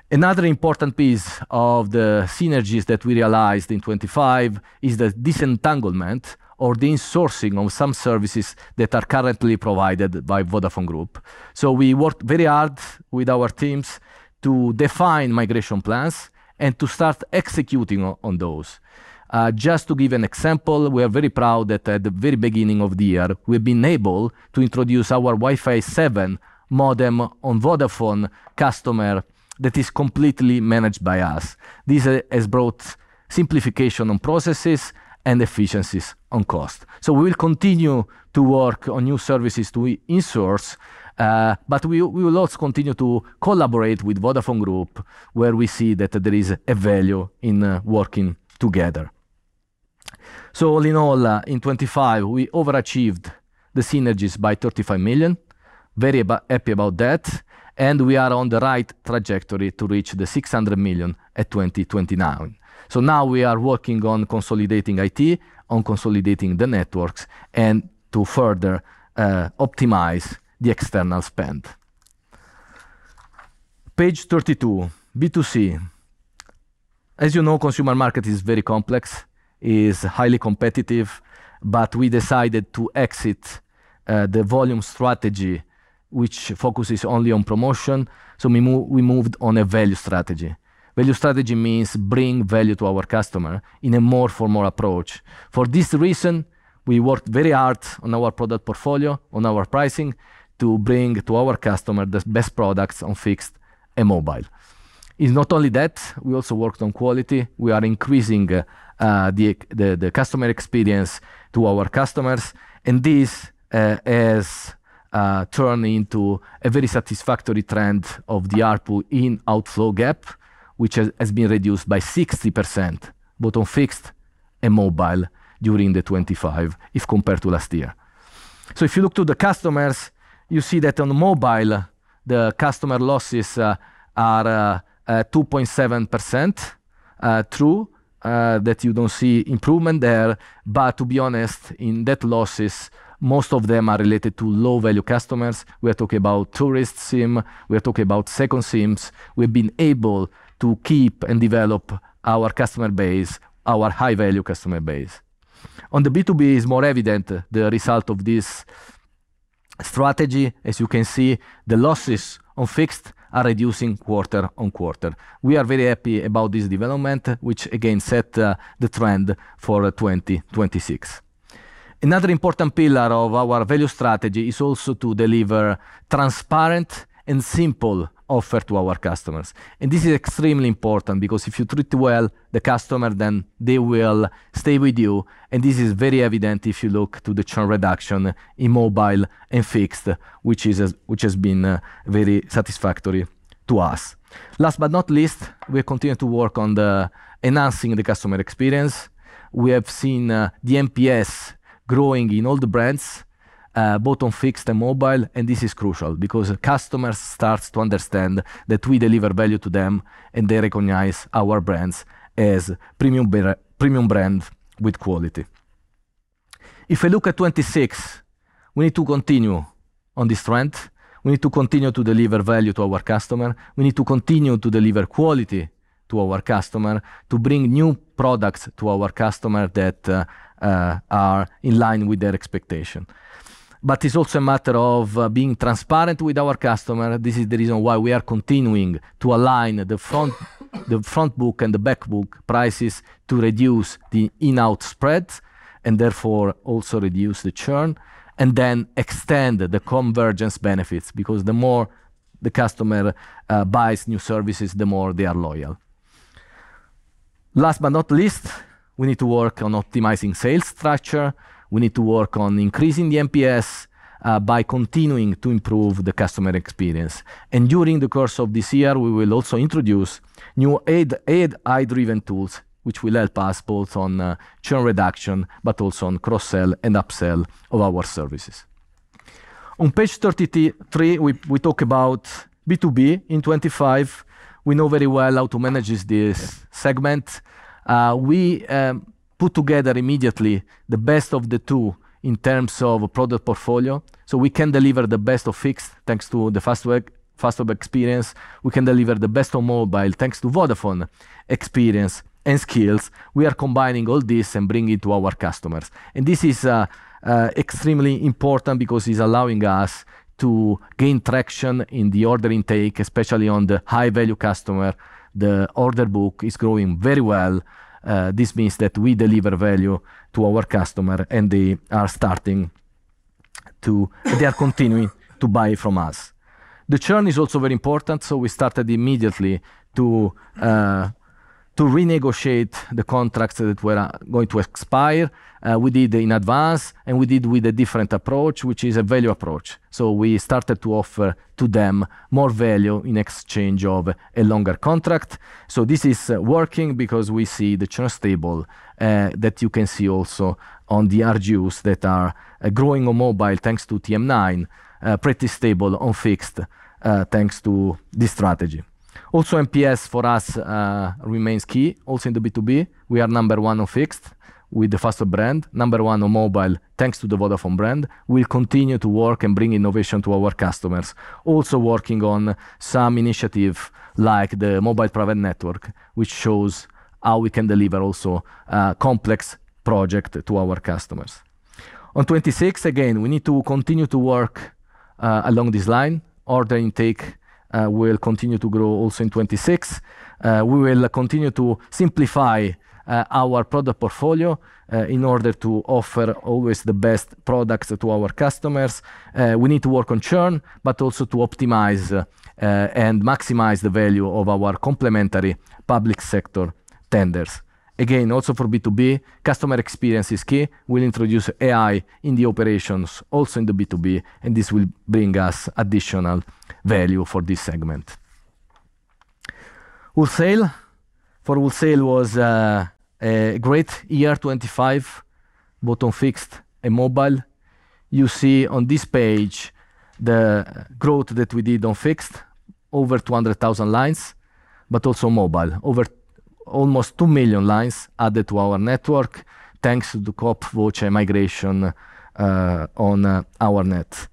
Another important piece of the synergies that we realized in 2025 is the disentanglement or the insourcing of some services that are currently provided by Vodafone Group. So we worked very hard with our teams to define migration plans and to start executing on, on those. Just to give an example, we are very proud that at the very beginning of the year, we've been able to introduce our Wi-Fi 7 modem on Vodafone customer that is completely managed by us. This has brought simplification on processes and efficiencies on cost. So we will continue to work on new services to in-source, but we, we will also continue to collaborate with Vodafone Group, where we see that there is a value in working together. So all in all, in 2025, we overachieved the synergies by 35 million. Very happy about that, and we are on the right trajectory to reach the 600 million at 2029. So now we are working on consolidating IT, on consolidating the networks, and to further optimize the external spend. Page 32, B2C. As you know, consumer market is very complex, is highly competitive, but we decided to exit the volume strategy, which focuses only on promotion, so we moved on a value strategy. Value strategy means bringing value to our customer in a more formal approach. For this reason, we worked very hard on our product portfolio, on our pricing, to bring to our customer the best products on fixed and mobile. It's not only that, we also worked on quality. We are increasing the customer experience to our customers, and this has turned into a very satisfactory trend of the ARPU in-outflow gap, which has been reduced by 60%, both on fixed and mobile during the 25, if compared to last year. So if you look to the customers, you see that on the mobile, the customer losses are 2.7%. True, that you don't see improvement there, but to be honest, in net losses, most of them are related to low-value customers. We are talking about tourist SIM, we are talking about second SIMs. We've been able to keep and develop our customer base, our high-value customer base. On the B2B is more evident, the result of this strategy. As you can see, the losses on fixed are reducing quarter-on-quarter. We are very happy about this development, which again set the trend for 2026. Another important pillar of our value strategy is also to deliver transparent and simple offer to our customers. And this is extremely important, because if you treat well the customer, then they will stay with you, and this is very evident if you look to the churn reduction in mobile and fixed, which has been very satisfactory to us. Last but not least, we are continuing to work on the enhancing the customer experience. We have seen the NPS growing in all the brands both on fixed and mobile. And this is crucial, because customers starts to understand that we deliver value to them, and they recognize our brands as premium brand, premium brand with quality. If I look at 2026, we need to continue on this trend. We need to continue to deliver value to our customer. We need to continue to deliver quality to our customer, to bring new products to our customer that are in line with their expectation. But it's also a matter of being transparent with our customer. This is the reason why we are continuing to align the front, the front book and the back book prices to reduce the in-out spreads, and therefore, also reduce the churn, and then extend the convergence benefits. Because the customer buys new services, the more they are loyal. Last but not least, we need to work on optimizing sales structure, we need to work on increasing the NPS by continuing to improve the customer experience. And during the course of this year, we will also introduce new AI, AI-driven tools, which will help us both on, churn reduction, but also on cross-sell and upsell of our services. On page 33, we, we talk about B2B. In 2025, we know very well how to manage this, this segment. We, put together immediately the best of the two in terms of product portfolio, so we can deliver the best of fixed, thanks to the Fastweb, Fastweb experience. We can deliver the best of mobile, thanks to Vodafone experience and skills. We are combining all this and bringing it to our customers. And this is, extremely important because it's allowing us to gain traction in the order intake, especially on the high-value customer. The order book is growing very well. This means that we deliver value to our customer, and they are continuing to buy from us. The churn is also very important, so we started immediately to renegotiate the contracts that were going to expire. We did in advance, and we did with a different approach, which is a value approach. So we started to offer to them more value in exchange of a longer contract. So this is working because we see the churn stable, that you can see also on the ARPU that are growing on mobile, thanks to TM9, pretty stable on fixed, thanks to this strategy. Also, NPS for us remains key. Also, in the B2B, we are number one on fixed with the Fastweb brand, number one on mobile, thanks to the Vodafone brand. We'll continue to work and bring innovation to our customers. Also working on some initiative, like the mobile private network, which shows how we can deliver also complex project to our customers. On 2026, again, we need to continue to work along this line. Order intake will continue to grow also in 2026. We will continue to simplify our product portfolio in order to offer always the best products to our customers. We need to work on churn, but also to optimize and maximize the value of our complementary public sector tenders. Again, also for B2B, customer experience is key. We'll introduce AI in the operations, also in the B2B, and this will bring us additional value for this segment. Wholesale. For wholesale was a great year, 2025, both on fixed and mobile. You see on this page the growth that we did on fixed, over 200,000 lines, but also mobile, over almost 2 million lines added to our network, thanks to the CoopVoce migration, on our net.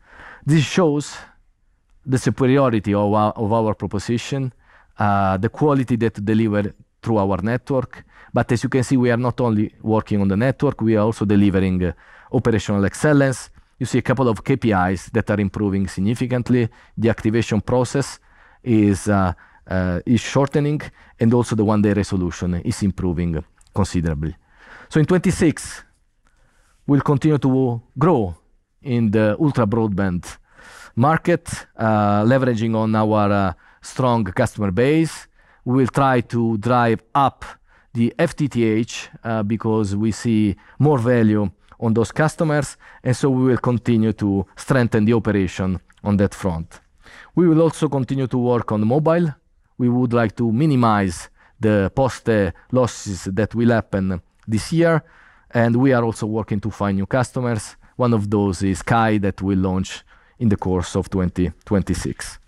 This shows the superiority of our, of our proposition, the quality that deliver through our network. But as you can see, we are not only working on the network, we are also delivering operational excellence. You see a couple of KPIs that are improving significantly. The activation process is, is shortening, and also the one-day resolution is improving considerably. So in 2026, we'll continue to grow in the ultra-broadband market, leveraging on our strong customer base. We will try to drive up the FTTH, because we see more value on those customers, and so we will continue to strengthen the operation on that front. We will also continue to work on mobile. We would like to minimize the post, losses that will happen this year, and we are also working to find new customers. One of those is Kai, that will launch in the course of 2026.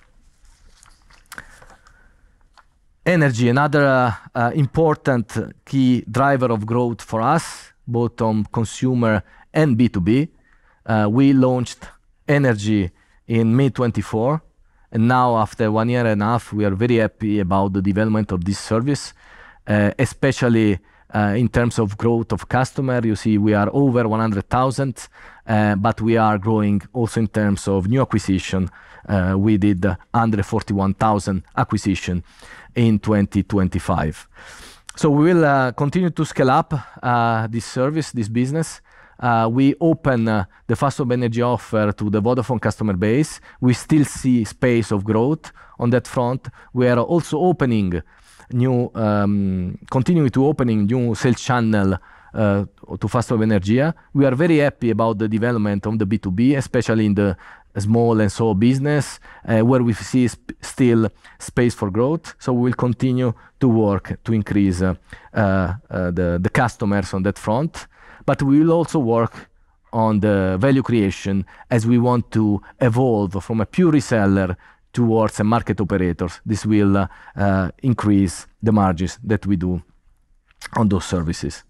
Energy, another, important key driver of growth for us, both on consumer and B2B. We launched energy in May 2024, and now after one year and a half, we are very happy about the development of this service, especially, in terms of growth of customer. You see, we are over 100,000, but we are growing also in terms of new acquisition. We did under 41,000 acquisitions in 2025. So we will continue to scale up this service, this business. We open the Fastweb Energia offer to the Vodafone customer base. We still see space of growth on that front. We are also opening new continuing to open new sales channels to Fastweb Energia. We are very happy about the development on the B2B, especially in the small and sole business, where we see still space for growth. So we will continue to work to increase the customers on that front. But we will also work on the value creation as we want to evolve from a pure reseller towards a market operator. This will increase the margins that we do on those services.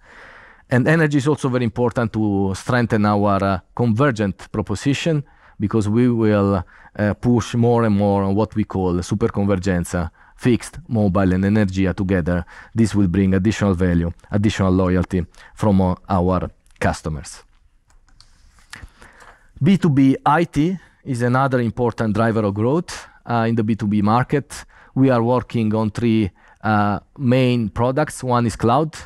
Energy is also very important to strengthen our convergent proposition because we will push more and more on what we call the super convergenza, fixed, mobile, and energy together. This will bring additional value, additional loyalty from our customers. B2B IT is another important driver of growth in the B2B market. We are working on three main products. One is cloud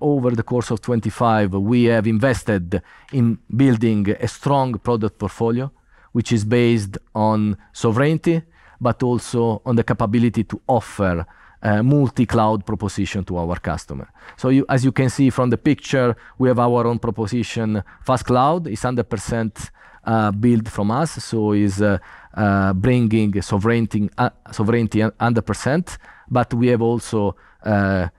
over the course of 25, we have invested in building a strong product portfolio, which is based on sovereignty, but also on the capability to offer a multi-cloud proposition to our customer. So, as you can see from the picture, we have our own proposition. Fast Cloud is 100% built from us, so is bringing sovereignty, sovereignty 100%. But we have also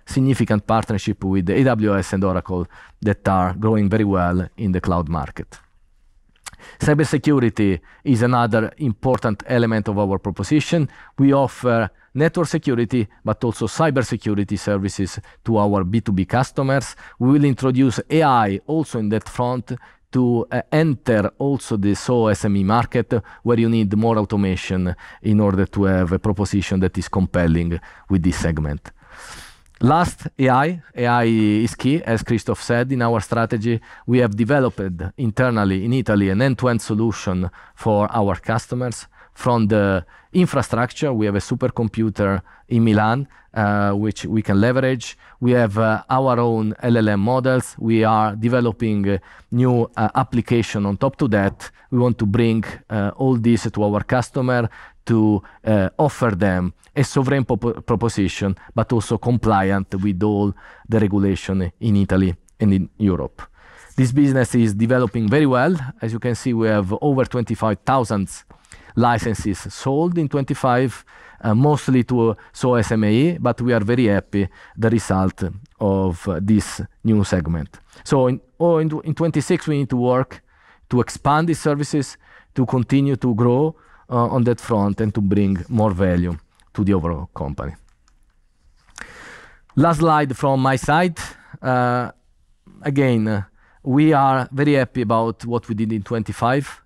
significant partnership with AWS and Oracle that are growing very well in the cloud market. Cybersecurity is another important element of our proposition. We offer network security, but also cybersecurity services to our B2B customers. We will introduce AI also in that front, to enter also the SoSME market, where you need more automation in order to have a proposition that is compelling with this segment. Last, AI. AI is key, as Christoph said, in our strategy. We have developed internally in Italy an end-to-end solution for our customers. From the infrastructure, we have a supercomputer in Milan, which we can leverage. We have our own LLM models. We are developing a new application on top to that. We want to bring all this to our customer to offer them a sovereign proposition, but also compliant with all the regulation in Italy and in Europe. This business is developing very well. As you can see, we have over 25,000 licenses sold in 2025, mostly to SoSME, but we are very happy the result of this new segment. So in 2026, we need to work to expand these services, to continue to grow on that front and to bring more value to the overall company. Last slide from my side. Again, we are very happy about what we did in 2025.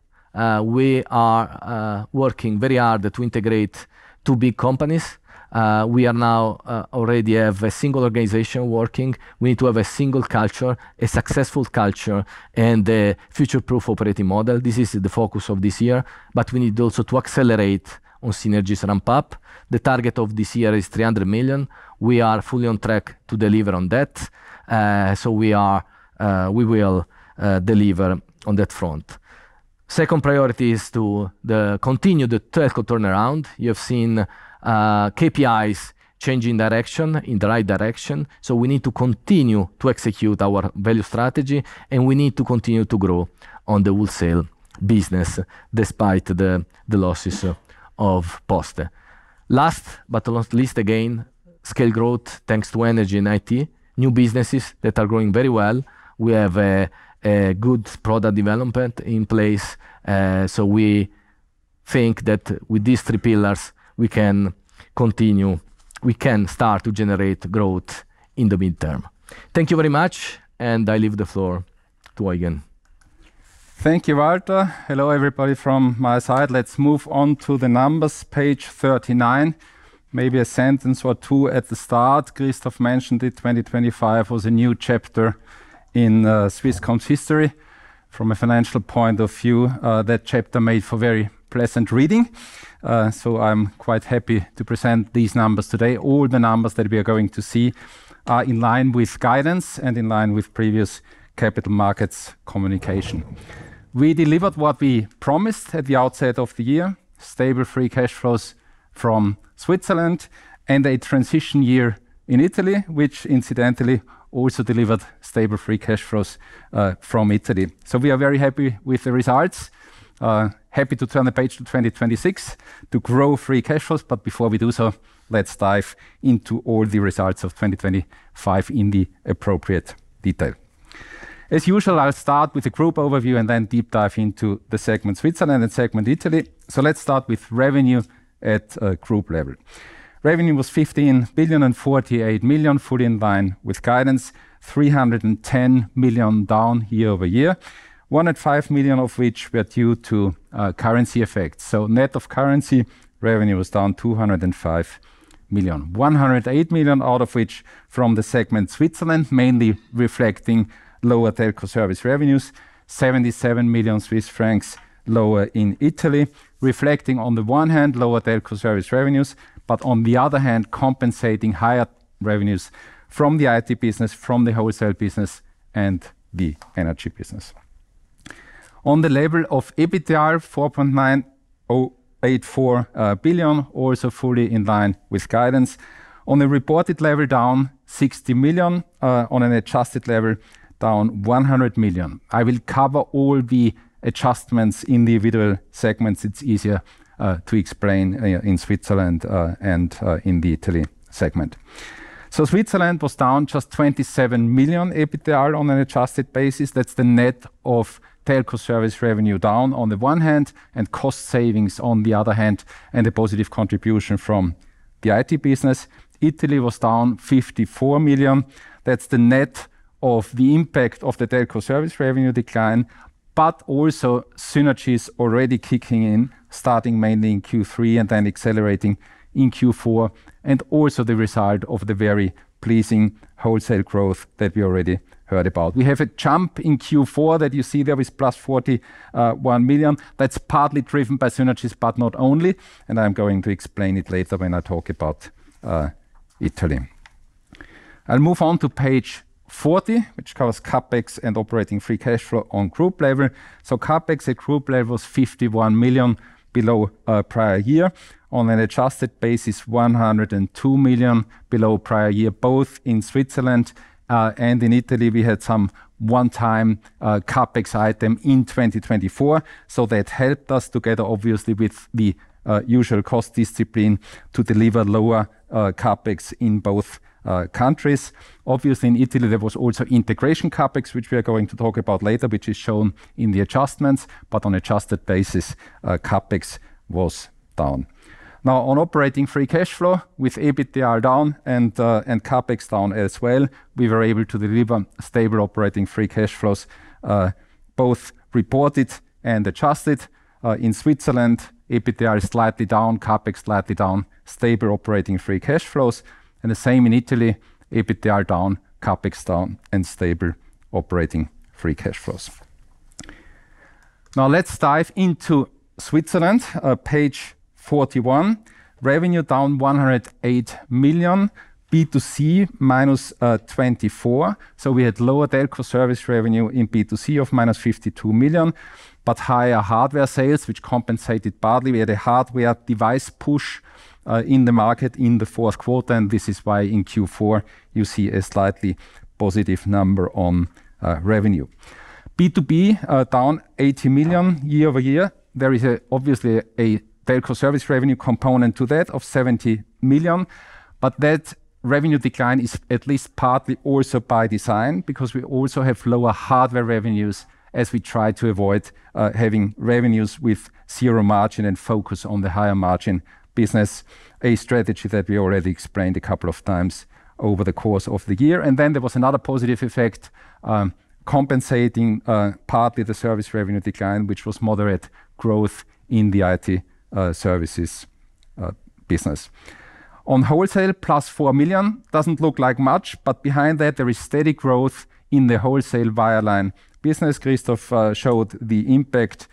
We are working very hard to integrate two big companies. We are now already have a single organization working. We need to have a single culture, a successful culture, and a future-proof operating model. This is the focus of this year, but we need also to accelerate on synergies ramp-up. The target of this year is 300 million. We are fully on track to deliver on that, so we will deliver on that front. Second priority is to continue the Telco turnaround. You have seen, KPIs changing direction, in the right direction, so we need to continue to execute our value strategy, and we need to continue to grow on the wholesale business, despite the losses of Post. Last, but not least, again, scale growth, thanks to energy and IT, new businesses that are growing very well. We have a good product development in place, so we think that with these three pillars, we can start to generate growth in the midterm. Thank you very much, and I leave the floor to Eugen. Thank you, Walter. Hello, everybody, from my side. Let's move on to the numbers, page 39. Maybe a sentence or two at the start. Christoph mentioned it, 2025 was a new chapter in Swisscom's history. From a financial point of view, that chapter made for very pleasant reading. So I'm quite happy to present these numbers today. All the numbers that we are going to see are in line with guidance and in line with previous capital markets communication. We delivered what we promised at the outset of the Free Cash Flows from Switzerland and a transition year in Italy, which incidentally also Free Cash Flows from Italy. So we are very happy with the results. Happy to turn the page to 2026 to grow Free Cash Flows. Before we do so, let's dive into all the results of 2025 in the appropriate detail. As usual, I'll start with a group overview and then deep dive into the segment Switzerland and segment Italy. Let's start with revenue at a group level. Revenue was 15,048 million, fully in line with guidance, 310 million down year-over-year. 105 million of which were due to currency effects. So net of currency, revenue was down 205 million. 108 million out of which from the segment Switzerland, mainly reflecting lower telco service revenues, 77 million Swiss francs lower in Italy, reflecting, on the one hand, lower telco service revenues, but on the other hand, compensating higher revenues from the IT business, from the wholesale business, and the energy business. On the level of EBITDA, 4.9084 billion, also fully in line with guidance. On a reported level, down 60 million, on an adjusted level, down 100 million. I will cover all the adjustments in the individual segments. It's easier to explain in Switzerland and in the Italy segment. So Switzerland was down just 27 million EBITDA on an adjusted basis. That's the net of telco service revenue down on the one hand, and cost savings on the other hand, and a positive contribution from the IT business. Italy was down 54 million. That's the net of the impact of the telco service revenue decline, but also synergies already kicking in, starting mainly in Q3 and then accelerating in Q4, and also the result of the very pleasing wholesale growth that we already heard about. We have a jump in Q4 that you see there is +41 million. That's partly driven by synergies, but not only, and I'm going to explain it later when I talk about Italy... I'll move on to page 40, which covers CapEx Free Cash Flow on group level. So CapEx at group level is 51 million below prior year. On an adjusted basis, 102 million below prior year, both in Switzerland and in Italy. We had some one-time CapEx item in 2024, so that helped us together, obviously, with the usual cost discipline to deliver lower CapEx in both countries. Obviously, in Italy, there was also integration CapEx, which we are going to talk about later, which is shown in the adjustments. But on adjusted basis, CapEx was down. Now, Free Cash Flow with ebitda down and CapEx down as well, we were able to deliver Free Cash Flows, both reported and adjusted. In Switzerland, EBITDA is slightly down, CapEx slightly down, Free Cash Flows, and the same in Italy. EBITDA down, CapEx down, and Free Cash Flows. now let's dive into Switzerland. Page 41, revenue down 108 million, B2C -24. So we had lower telco service revenue in B2C of CHF - 52 million, but higher hardware sales, which compensated partly. We had a hardware device push in the market in the fourth quarter, and this is why, in Q4, you see a slightly positive number on revenue. B2B down 80 million year-over-year. There is obviously a telco service revenue component to that of 70 million, but that revenue decline is at least partly also by design, because we also have lower hardware revenues as we try to avoid having revenues with zero margin and focus on the higher margin business. A strategy that we already explained a couple of times over the course of the year. And then there was another positive effect compensating partly the service revenue decline, which was moderate growth in the IT services business. On wholesale, plus 4 million. Doesn't look like much, but behind that, there is steady growth in the wholesale wireline business. Christoph showed the impact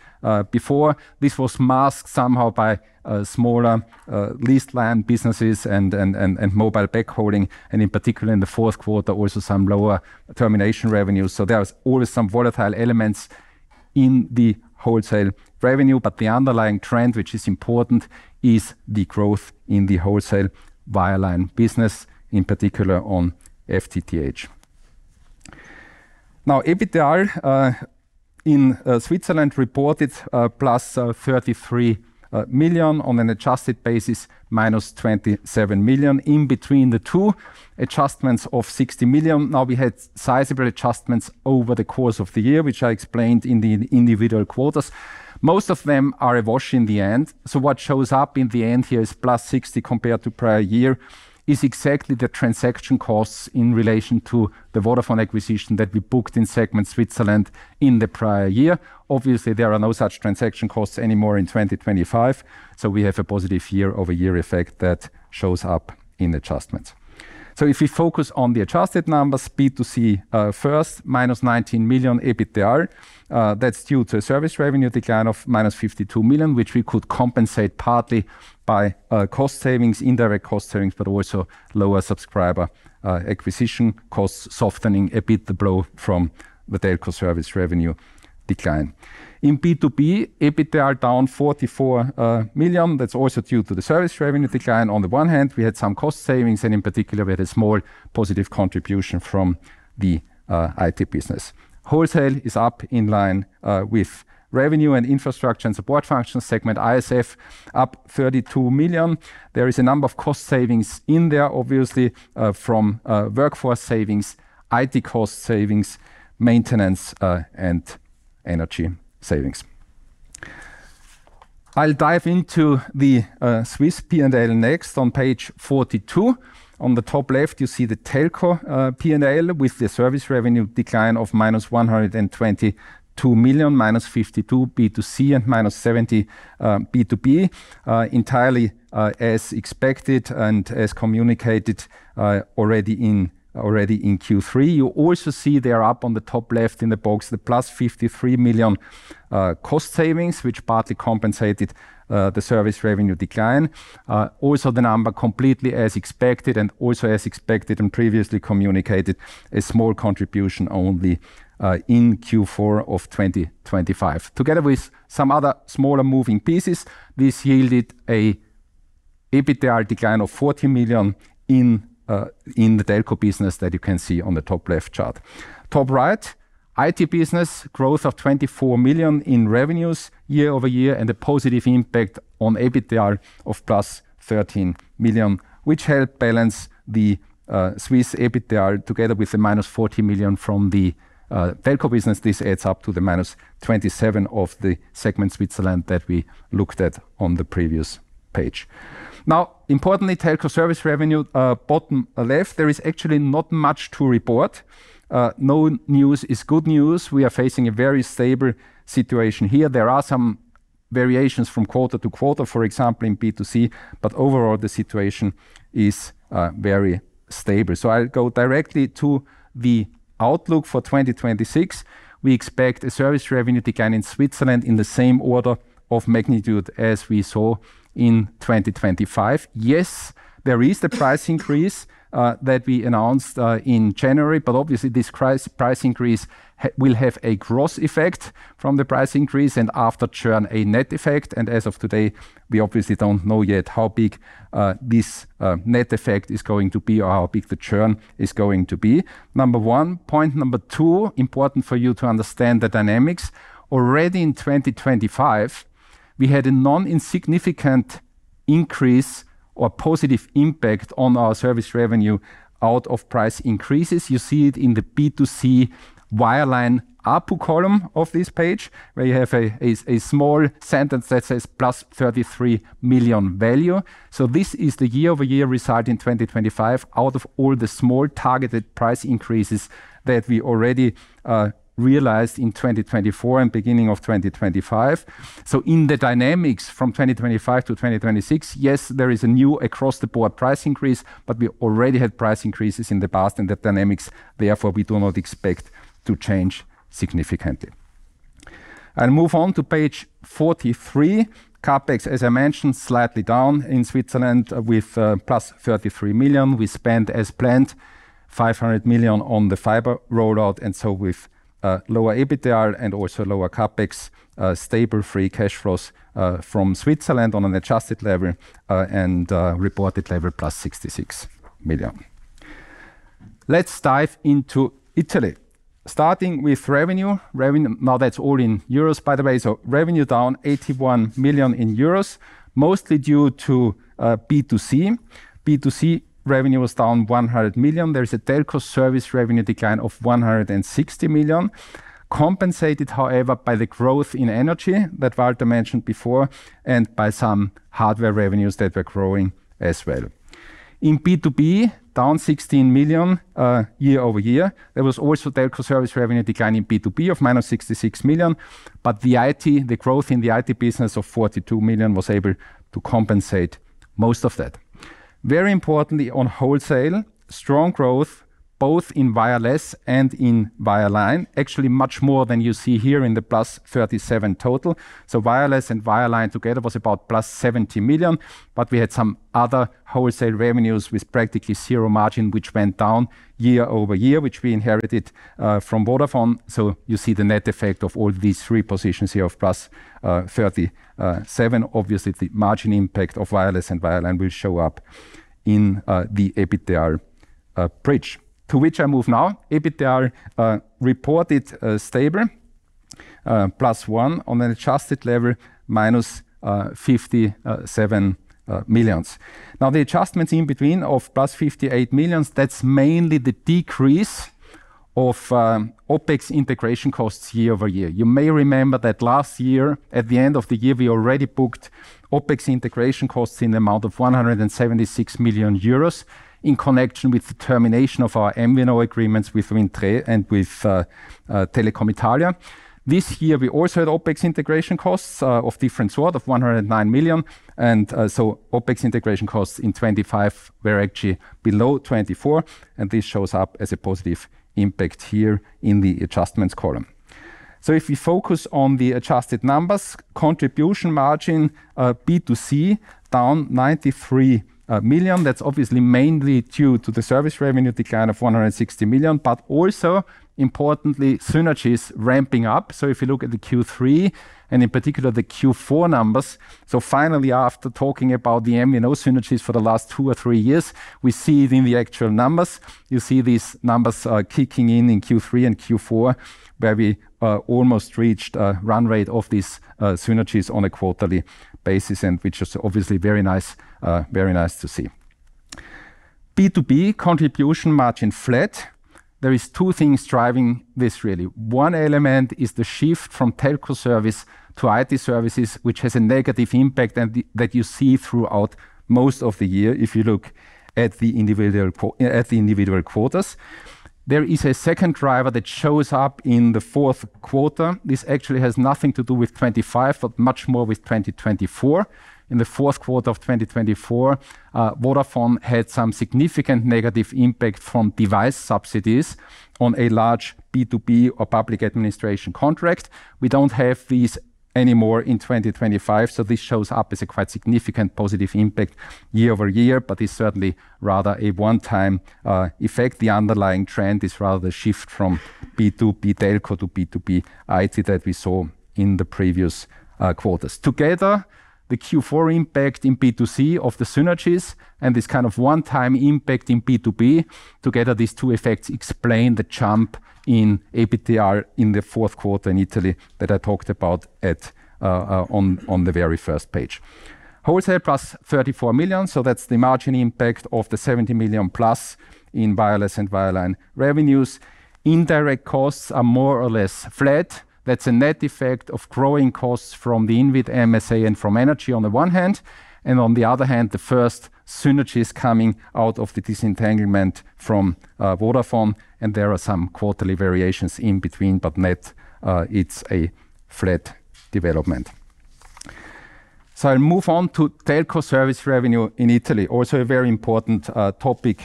before. This was masked somehow by smaller leased line businesses and mobile backhauling, and in particular, in the fourth quarter, also some lower termination revenues. So there was always some volatile elements in the wholesale revenue. But the underlying trend, which is important, is the growth in the wholesale wireline business, in particular on FTTH. Now, EBITDA in Switzerland, reported +33 million on an adjusted basis, -27 million. In between the two, adjustments of 60 million. Now, we had sizable adjustments over the course of the year, which I explained in the individual quarters. Most of them are a wash in the end, so what shows up in the end here is +60 million compared to prior year, is exactly the transaction costs in relation to the Vodafone acquisition that we booked in segment Switzerland in the prior year. Obviously, there are no such transaction costs anymore in 2025, so we have a positive year-over-year effect that shows up in adjustments. So if we focus on the adjusted numbers, B2C, first, minus 19 million EBITDA. That's due to a service revenue decline of minus 52 million, which we could compensate partly by cost savings, indirect cost savings, but also lower subscriber acquisition costs, softening a bit the blow from the telco service revenue decline. In B2B, EBITDA down 44 million. That's also due to the service revenue decline. On the one hand, we had some cost savings, and in particular, we had a small positive contribution from the IT business. Wholesale is up in line with revenue and infrastructure and support function segment, ISF, up 32 million. There is a number of cost savings in there, obviously, from workforce savings, IT cost savings, maintenance, and energy savings. I'll dive into the Swiss P&L next on page 42. On the top left, you see the telco P&L with the service revenue decline of CHF - 122 million, CHF - 52 million B2C and CHF - 70 million B2B. Entirely as expected and as communicated already in Q3. You also see there up on the top left in the box, the +53 million cost savings, which partly compensated the service revenue decline. Also the number completely as expected and also as expected and previously communicated, a small contribution only in Q4 of 2025. Together with some other smaller moving pieces, this yielded an EBITDA decline of 40 million in the telco business that you can see on the top left chart. Top right, IT business growth of 24 million in revenues year-over-year, and a positive impact on EBITDA of +13 million, which helped balance the Swiss EBITDA together with the CHF - 40 million from the telco business. This adds up to the CHF - 27 million of the segment Switzerland that we looked at on the previous page. Now, importantly, telco service revenue, bottom left, there is actually not much to report. No news is good news. We are facing a very stable situation here. There are some variations from quarter to quarter, for example, in B2C, but overall, the situation is very stable. So I'll go directly to the outlook for 2026. We expect a service revenue decline in Switzerland in the same order of magnitude as we saw in 2025. Yes, there is the price increase that we announced in January, but obviously, this price increase will have a gross effect from the price increase and after churn, a net effect. And as of today, we obviously don't know yet how big this net effect is going to be or how big the churn is going to be. Number one. Point number two, important for you to understand the dynamics. Already in 2025, we had a non-insignificant increase or positive impact on our service revenue out of price increases. You see it in the B2C wireline ARPU column of this page, where you have a small sentence that says, "+33 million value." So this is the year-over-year result in 2025, out of all the small targeted price increases that we already realized in 2024 and beginning of 2025. So in the dynamics from 2025 to 2026, yes, there is a new across-the-board price increase, but we already had price increases in the past and the dynamics, therefore, we do not expect to change significantly. I'll move on to page 43. CapEx, as I mentioned, slightly down in Switzerland with +33 million. We spent, as planned, 500 million on the fiber rollout, and so with lower EBITDA and also lower Free Cash Flows from Switzerland on an adjusted level, and reported level, plus 66 million. Let's dive into Italy. Starting with revenue. Revenue. Now, that's all in euros, by the way. Revenue down 81 million euros, mostly due to B2C. B2C revenue was down 100 million. There is a telco service revenue decline of 160 million. Compensated, however, by the growth in energy that Walter mentioned before, and by some hardware revenues that were growing as well. In B2B, down 16 million, year-over-year. There was also telco service revenue decline in B2B of 66 million, but the IT, the growth in the IT business of 42 million was able to compensate most of that. Very importantly, on wholesale, strong growth, both in wireless and in wireline. Actually, much more than you see here in the +37 total. So wireless and wireline together was about +70 million, but we had some other wholesale revenues with practically zero margin, which went down year-over-year, which we inherited from Vodafone. So you see the net effect of all these three positions here of +37. Obviously, the margin impact of wireless and wireline will show up in the EBITDA bridge, to which I move now. EBITDA reported stable, +1 on an adjusted level, -57 million. Now, the adjustments in between of plus 58 million, that's mainly the decrease of OpEx integration costs year-over-year. You may remember that last year, at the end of the year, we already booked OpEx integration costs in the amount of 176 million euros in connection with the termination of our MVNO agreements with Wind Tre and with Telecom Italia. This year, we also had OpEx integration costs of different sort, of 109 million, and so OpEx integration costs in 2025 were actually below 2024, and this shows up as a positive impact here in the adjustments column. So if we focus on the adjusted numbers, contribution margin B2C, down 93 million. That's obviously mainly due to the service revenue decline of 160 million, but also importantly, synergies ramping up. So if you look at the Q3 and in particular the Q4 numbers, so finally, after talking about the MVNO synergies for the last two or three years, we see it in the actual numbers. You see these numbers kicking in in Q3 and Q4, where we almost reached a run rate of these synergies on a quarterly basis, and which is obviously very nice, very nice to see. B2B contribution margin flat. There is two things driving this, really. One element is the shift from telco service to IT services, which has a negative impact and that you see throughout most of the year, if you look at the individual quarters. There is a second driver that shows up in the fourth quarter. This actually has nothing to do with 2025, but much more with 2024. In the fourth quarter of 2024, Vodafone had some significant negative impact from device subsidies on a large B2B or public administration contract. We don't have these anymore in 2025, so this shows up as a quite significant positive impact year-over-year, but is certainly rather a one-time effect. The underlying trend is rather the shift from B2B telco to B2B IT that we saw in the previous quarters. Together, the Q4 impact in B2C of the synergies and this kind of one-time impact in B2B, together, these two effects explain the jump in EBITDA in the fourth quarter in Italy that I talked about on the very first page. Wholesale, +34 million, so that's the margin impact of the +70 million in wireless and wireline revenues. Indirect costs are more or less flat. That's a net effect of growing costs from the INWIT MSA and from energy, on the one hand, and on the other hand, the first synergies coming out of the disentanglement from Vodafone, and there are some quarterly variations in between, but net, it's a flat development. So I'll move on to telco service revenue in Italy. Also a very important topic,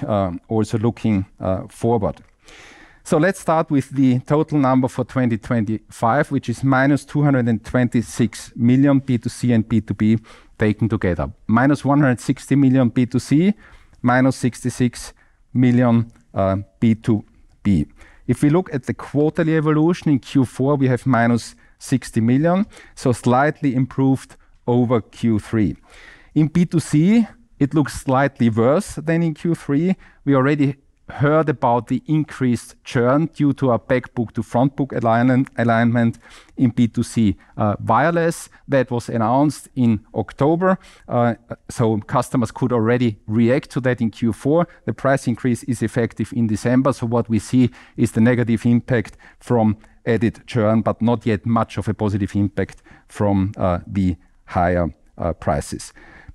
also looking forward. So let's start with the total number for 2025, which is -226 million B2C and B2B taken together. -160 million B2C, -66 million B2B. If we look at the quarterly evolution, in Q4, we have -60 million, so slightly improved over Q3. In B2C, it looks slightly worse than in Q3. We already heard about the increased churn due to a back book to front book alignment in B2C wireless that was announced in October. So customers could already react to that in Q4. The price increase is effective in December, so what we see is the negatve impact from added churn, but not yet much of a positive impact from the higher prices.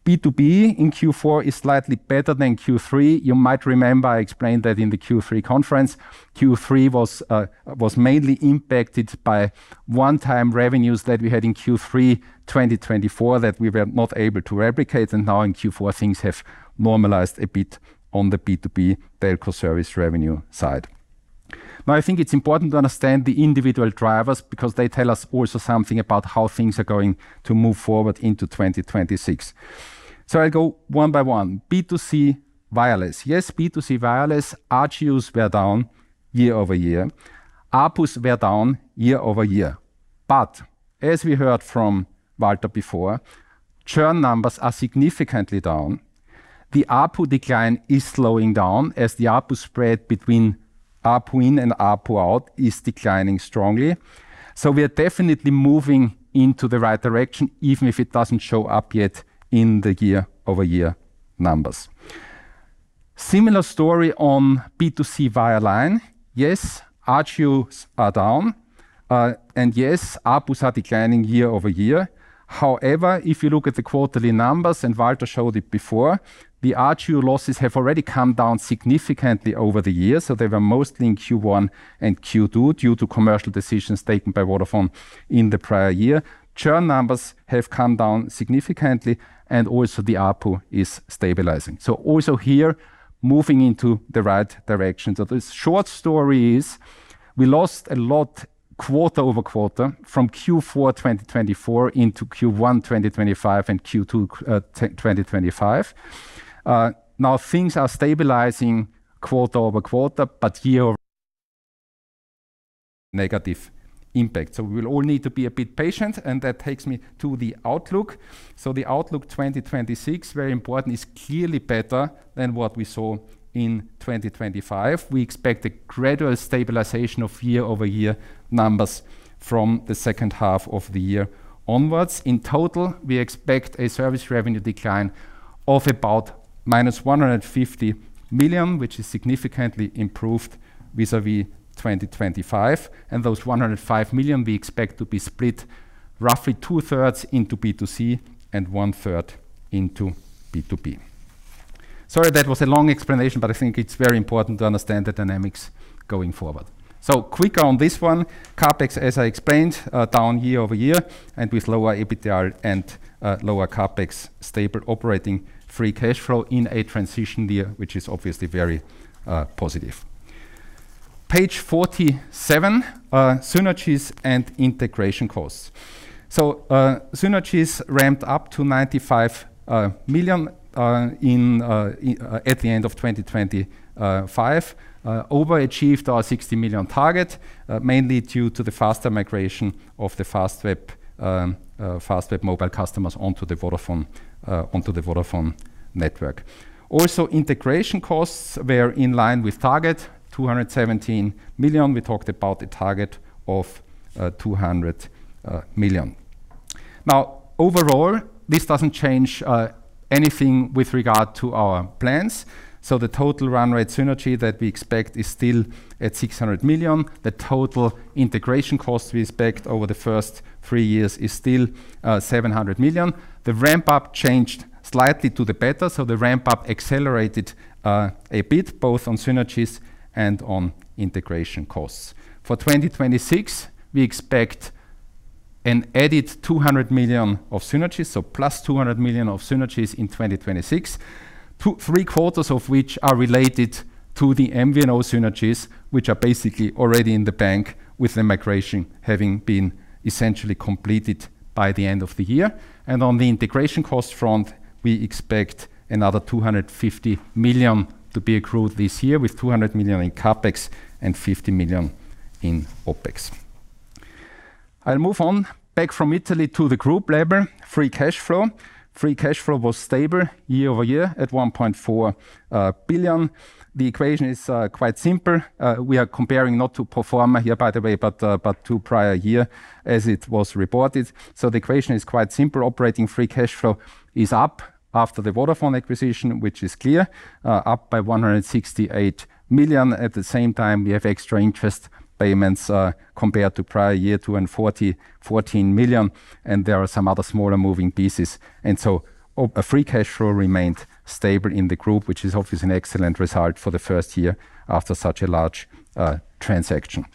B2B in Q4 is slightly better than Q3. You might remember I explained that in the Q3 conference. Q3 was mainly impacted by one-time revenues that we had in Q3 2024, that we were not able to replicate, and now in Q4, things have normalized a bit on the B2B telco service revenue side. Now, I think it's important to understand the individual drivers because they tell us also something about how things are going to move forward into 2026. I go one by one. B2C wireless. Yes, B2C wireless, ARPU were down year-over-year. ARPU were down year-over-year. But as we heard from Walter before, churn numbers are significantly down. The ARPU decline is slowing down as the ARPU spread between ARPU in and ARPU out is declining strongly. We are definitely moving into the right direction, even if it doesn't show up yet in the year-over-year numbers. Similar story on B2C wireline. Yes, ARPU are down, and yes, ARPUs are declining year-over-year. However, if you look at the quarterly numbers, and Walter showed it before, the ARPU losses have already come down significantly over the years, so they were mostly in Q1 and Q2, due to commercial decisions taken by Vodafone in the prior year. Churn numbers have come down significantly, and also the ARPU is stabilizing. So also here, moving into the right direction. So the short story is, we lost a lot quarter-over-quarter from Q4 2024 into Q1 2025 and Q2 2025. Now things are stabilizing quarter-over-quarter, but year-over-year negative impact. So we will all need to be a bit patient, and that takes me to the outlook. So the outlook 2026, very important, is clearly better than what we saw in 2025. We expect a gradual stabilization of year-over-year numbers from the second half of the year onwards. In total, we expect a service revenue decline of about -150 million, which is significantly improved vis-a-vis 2025, and those 105 million we expect to be split roughly 2/3 into B2C and 1/3 into B2B. Sorry, that was a long explanation, but I think it's very important to understand the dynamics going forward. So quicker on this one. CapEx, as I explained, down year-over-year and with lower EBITDA and lower CapEx, Free Cash Flow in a transition year, which is obviously very positive. Page 47, synergies and integration costs. So, synergies ramped up to 95 million in at the end of 2025. Overachieved our 60 million target, mainly due to the faster migration of the Fastweb mobile customers onto the Vodafone network. Also, integration costs were in line with target, 217 million. We talked about a target of 200 million. Now, overall, this doesn't change anything with regard to our plans, so the total run rate synergy that we expect is still at 600 million. The total integration costs we expect over the first three years is still 700 million. The ramp-up changed slightly to the better, so the ramp-up accelerated a bit both on synergies and on integration costs. For 2026, we expect an added 200 million of synergies, so plus 200 million of synergies in 2026. Two, three-quarters of which are related to the MVNO synergies, which are basically already in the bank, with the migration having been essentially completed by the end of the year. On the integration cost front, we expect another 250 million to be accrued this year, with 200 million in CapEx and 50 million in OpEx. I'll move on. Back from Italy to the group level. Free Cash Flow. Free Cash Flow was stable year-over-year at 1.4 billion. The equation is quite simple. We are comparing not to pro forma here, by the way, but to prior year as it was reported. So the equation is quite Free Cash Flow is up after the Vodafone acquisition, which is clear, up by 168 million. At the same time, we have extra interest payments, compared to prior year, 214 million, and there are some other smaller moving Free Cash Flow remained stable in the group, which is obviously an excellent result for the first year after such a large transaction.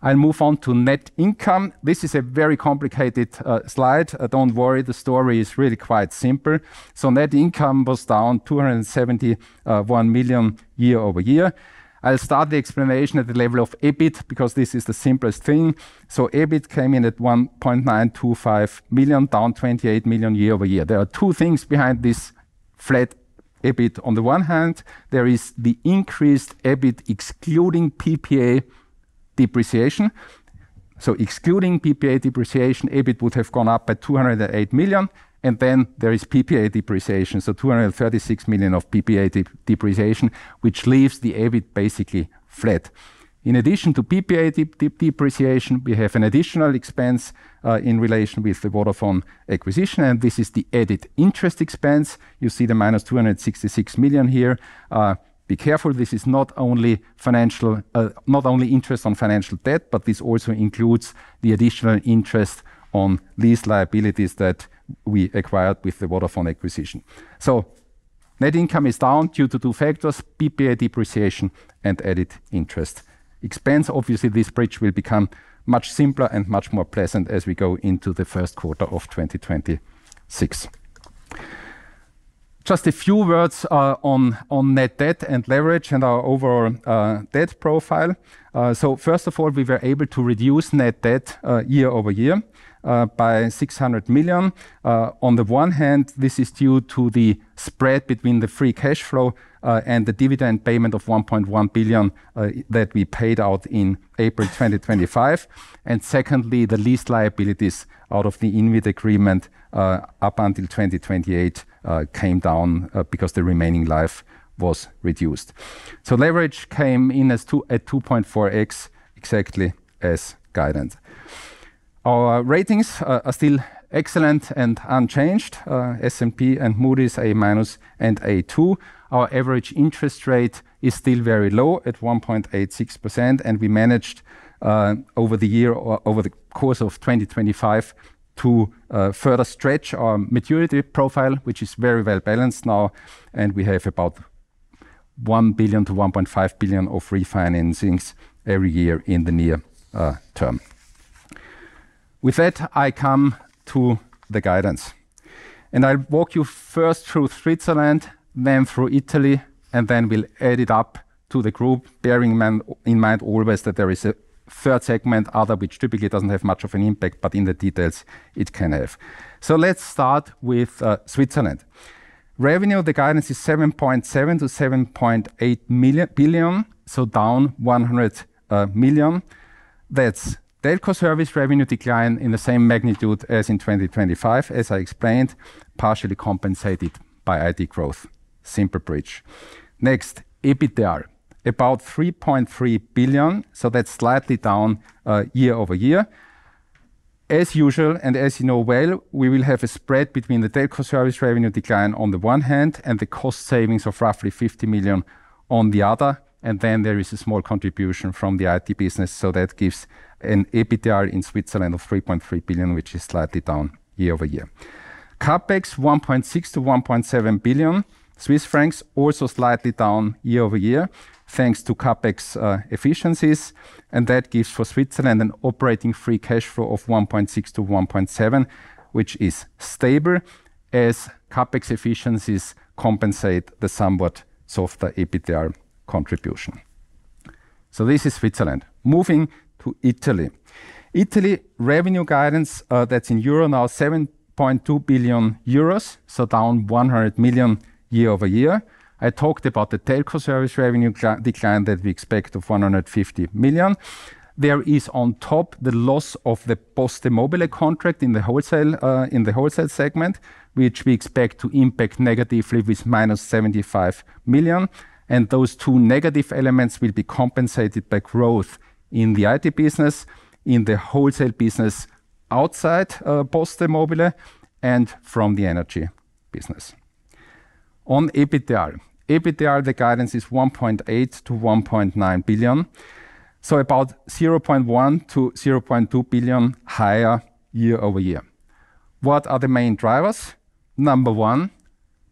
I'll move on to net income. This is a very complicated slide. Don't worry, the story is really quite simple. So net income was down 271 million year-over-year. I'll start the explanation at the level of EBIT, because this is the simplest thing. So EBIT came in at 1.925 million, down 28 million year-over-year. There are two things behind this flat EBIT. On the one hand, there is the increased EBIT excluding PPA depreciation. Excluding PPA depreciation, EBIT would have gone up by 208 million, and then there is PPA depreciation, so 236 million of PPA depreciation, which leaves the EBIT basically flat. In addition to PPA depreciation, we have an additional expense in relation with the Vodafone acquisition, and this is the added interest expense. You see the minus 266 million here. Be careful, this is not only financial, not only interest on financial debt, but this also includes the additional interest on these liabilities that we acquired with the Vodafone acquisition. So net income is down due to two factors: PPA depreciation and added interest expense. Obviously, this bridge will become much simpler and much more pleasant as we go into the first quarter of 2026. Just a few words on net debt and leverage and our overall debt profile. So first of all, we were able to reduce net debt year-over-year by 600 million. On the one hand, this is due to the spread Free Cash Flow and the dividend payment of 1.1 billion that we paid out in April 2025. And secondly, the lease liabilities out of the INWIT agreement up until 2028 came down because the remaining life was reduced. So leverage came in at 2.4x, exactly as guidance. Our ratings are still excellent and unchanged. S&P and Moody's A- and A2. Our average interest rate is still very low at 1.86%, and we managed over the year or over the course of 2025 to further stretch our maturity profile, which is very well balanced now. We have about 1 billionCHF - 1.5 billion of refinancings every year in the near term. With that, I come to the guidance. I'll walk you first through Switzerland, then through Italy, and then we'll add it up to the group, bearing in mind always that there is a third segment, other, which typically doesn't have much of an impact, but in the details it can have. Let's start with Switzerland. Revenue, the guidance is 7.7 billion - 7.8 billion, so down 100 million. That's telco service revenue decline in the same magnitude as in 2025, as I explained, partially compensated by IT growth. Simple bridge. Next, EBITDA, about 3.3 billion, so that's slightly down year-over-year. As usual and as you know well, we will have a spread between the telco service revenue decline on the one hand, and the cost savings of roughly 50 million on the other, and then there is a small contribution from the IT business. So that gives an EBITDA in Switzerland of 3.3 billion, which is slightly down year-over-year. CapEx, 1.6 billion-1.7 billion Swiss francs, also slightly down year-over-year, thanks to CapEx efficiencies, and that gives for Switzerland Free Cash Flow of chf 1.6 billionCHF - 1.7 billion, which is stable as CapEx efficiencies compensate the somewhat softer EBITDA contribution. So this is Switzerland. Moving to Italy. Italy revenue guidance, that's in euros, now CHF 7.2 billion, so down 100 million year-over-year. I talked about the telco service revenue decline that we expect of 150 million. There is on top the loss of the PosteMobile contract in the wholesale, in the wholesale segment, which we expect to impact negatively with -75 million. Those two negative elements will be compensated by growth in the IT business, in the wholesale business outside, PosteMobile, and from the energy business. On EBITDA. EBITDA, the guidance is 1.8 billion-1.9 billion, so about 0.1 billion-0.2 billion higher year-over-year. What are the main drivers? Number one,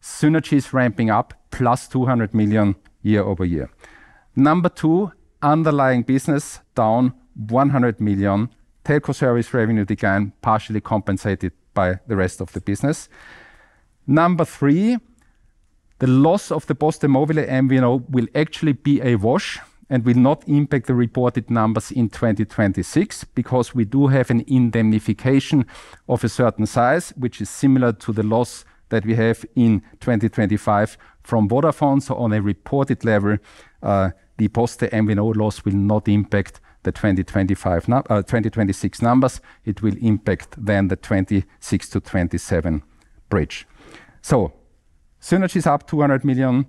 synergies ramping up, plus 200 million year-over-year. Number two, underlying business down 100 million, telco service revenue decline partially compensated by the rest of the business. Number three, the loss of the PosteMobile MVNO will actually be a wash and will not impact the reported numbers in 2026, because we do have an indemnification of a certain size, which is similar to the loss that we have in 2025 from Vodafone. So on a reported level, the Poste MVNO loss will not impact the 2025, no, 2026 numbers. It will impact then the 2026 to 2027 bridge. So synergies up 200 million,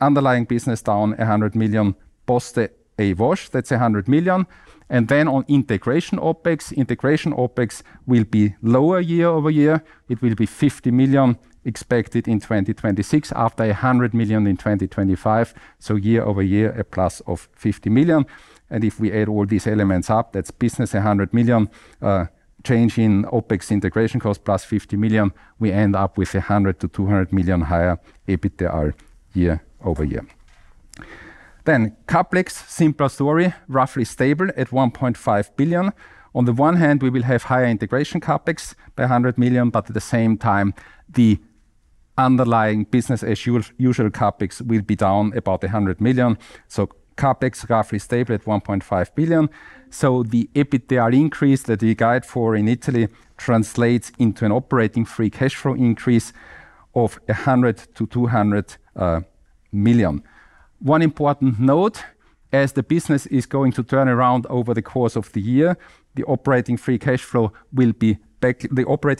underlying business down 100 million, Poste a wash, that's 100 million. And then on integration OpEx. Integration OpEx will be lower year-over-year. It will be 50 million expected in 2026, after 100 million in 2025, so year-over-year, a plus of 50 million. And if we add all these elements up, that's business, 100 million, change in OpEx integration cost plus 50 million, we end up with 100 million-200 million higher EBITDA year-over-year. Then CapEx, simpler story, roughly stable at 1.5 billion. On the one hand, we will have higher integration CapEx by 100 million, but at the same time, the underlying business as usual CapEx will be down about 100 million. So CapEx, roughly stable at 1.5 billion. So the EBITDA increase that we guide for in Italy translates into Free Cash Flow increase of 100 million- 200 million. One important note, as the business is going to turn around over the course of the year, Free Cash Flow will be back.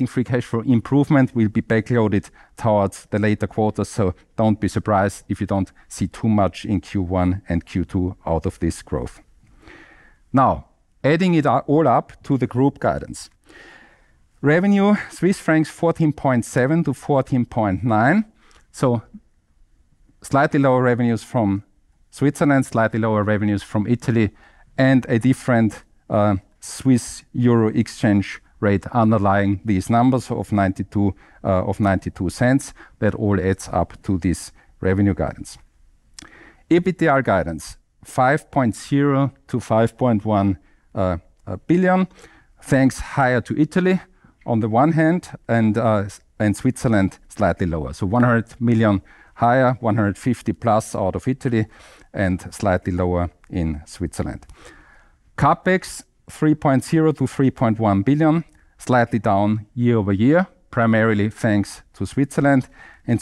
Free Cash Flow improvement will be backloaded towards the later quarters, so don't be surprised if you don't see too much in Q1 and Q2 out of this growth. Now, adding it all up to the group guidance. Revenue, Swiss francs 14.7- 14.9. So slightly lower revenues from Switzerland, slightly lower revenues from Italy, and a different Swiss euro exchange rate underlying these numbers of 0.92. That all adds up to this revenue guidance. EBITDA guidance, 5.0 billion- 5.1 billion, thanks higher to Italy on the one hand and Switzerland, slightly lower. So 100 million higher, 150 million plus out of Italy and slightly lower in Switzerland. CapEx, 3.0 billion - 3.1 billion, slightly down year-over-year, primarily thanks to Switzerland. And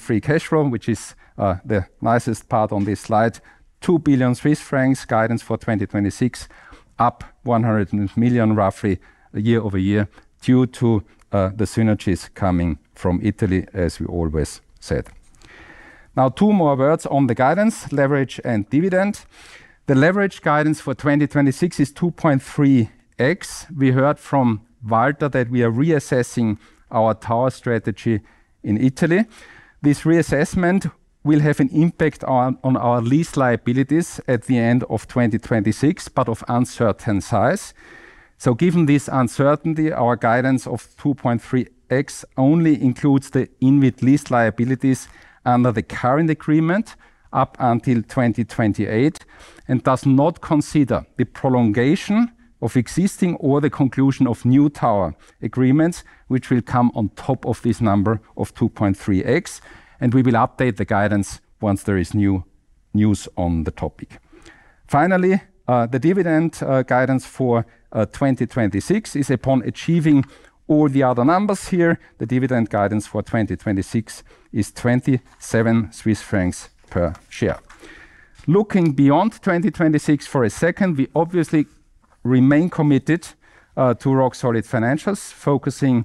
Free Cash Flow, which is the nicest part on this slide, 2 billion Swiss francs guidance for 2026, up 100 million, roughly year-over-year, due to the synergies coming from Italy, as we always said. Now, two more words on the guidance, leverage and dividend. The leverage guidance for 2026 is 2.3x. We heard from Walter that we are reassessing our tower strategy in Italy. This reassessment will have an impact on our lease liabilities at the end of 2026, but of uncertain size. So given this uncertainty, our guidance of 2.3x only includes the INWIT lease liabilities under the current agreement up until 2028, and does not consider the prolongation of existing or the conclusion of new tower agreements, which will come on top of this number of 2.3x, and we will update the guidance once there is new news on the topic. Finally, the dividend guidance for 2026 is upon achieving all the other numbers here. The dividend guidance for 2026 is 27 Swiss francs per share. Looking beyond 2026 for a second, we obviously remain committed to rock-solid financials, focusing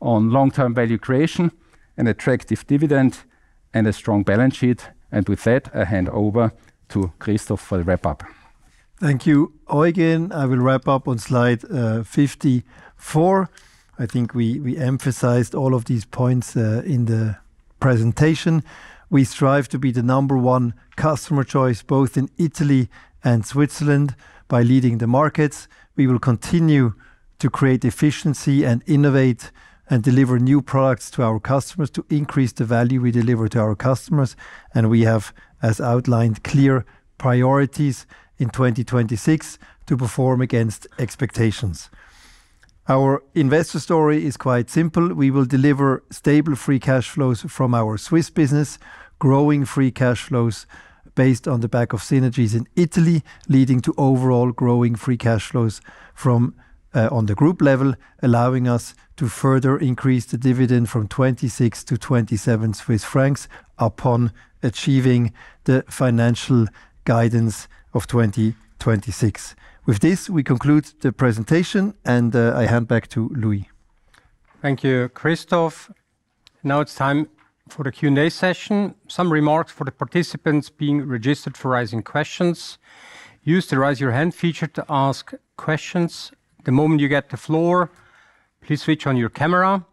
on long-term value creation and attractive dividend and a strong balance sheet. With that, I hand over to Christoph for the wrap-up. Thank you, Eugen. I will wrap up on slide 54. I think we emphasized all of these points in the presentation. We strive to be the number one customer choice, both in Italy and Switzerland, by leading the markets. We will continue to create efficiency and innovate and deliver new products to our customers to increase the value we deliver to our customers. We have, as outlined, clear priorities in 2026 to perform against expectations. Our investor story is quite simple: We will Free Cash Flows from our Swiss Free Cash Flows based on the back of synergies in Italy, leading to Free Cash Flows from on the group level, allowing us to further increase the dividend from 26 to 27 Swiss francs upon achieving the financial guidance of 2026. With this, we conclude the presentation, and I hand back to Louis. Thank you, Christoph. Now it's time for the Q&A session. Some remarks for the participants being registered for raising questions. Use the Raise Your Hand feature to ask questions. The moment you get the floor, please switch on your camera,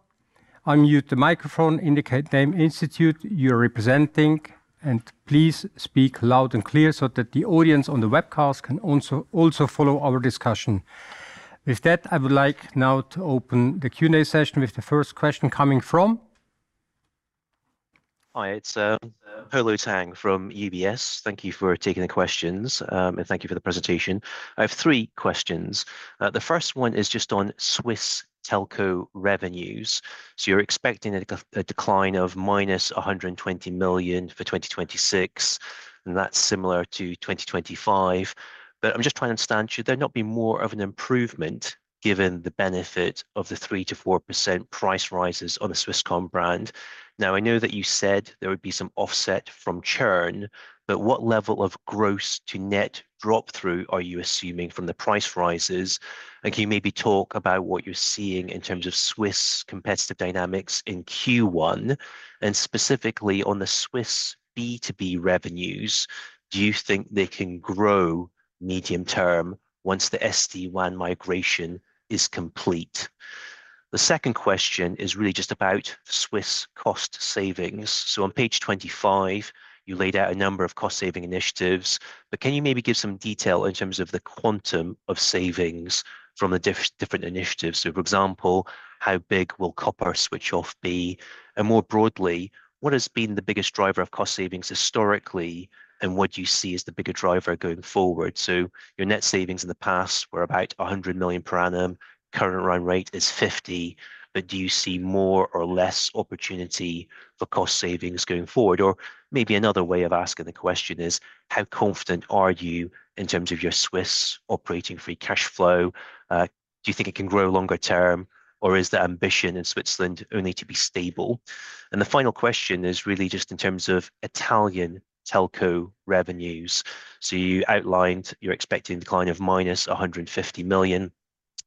unmute the microphone, indicate the institute you are representing, and please speak loud and clear so that the audience on the webcast can also, also follow our discussion. With that, I would like now to open the Q&A session with the first question coming from? Hi, it's Polo Tang from UBS. Thank you for taking the questions, and thank you for the presentation. I have three questions. The first one is just on Swiss telco revenues. So you're expecting a decline of -120 million for 2026, and that's similar to 2025. But I'm just trying to understand, should there not be more of an improvement given the benefit of the 3%-4% price rises on the Swisscom brand? Now, I know that you said there would be some offset from churn, but what level of gross to net drop-through are you assuming from the price rises? Can you maybe talk about what you're seeing in terms of Swiss competitive dynamics in Q1, and specifically on the Swiss B2B revenues, do you think they can grow medium term once the SD-WAN migration is complete? The second question is really just about Swiss cost savings. So on page 25, you laid out a number of cost-saving initiatives, but can you maybe give some detail in terms of the quantum of savings from the different initiatives? So, for example, how big will copper switch off be? And more broadly, what has been the biggest driver of cost savings historically, and what do you see as the bigger driver going forward? So your net savings in the past were about 100 million per annum. Current run rate is 50 million, but do you see more or less opportunity for cost savings going forward? Or maybe another way of asking the question is, how confident are you in terms of your Free Cash Flow? do you think it can grow longer term, or is the ambition in Switzerland only to be stable? And the final question is really just in terms of Italian telco revenues. So you outlined you're expecting a decline of -150 million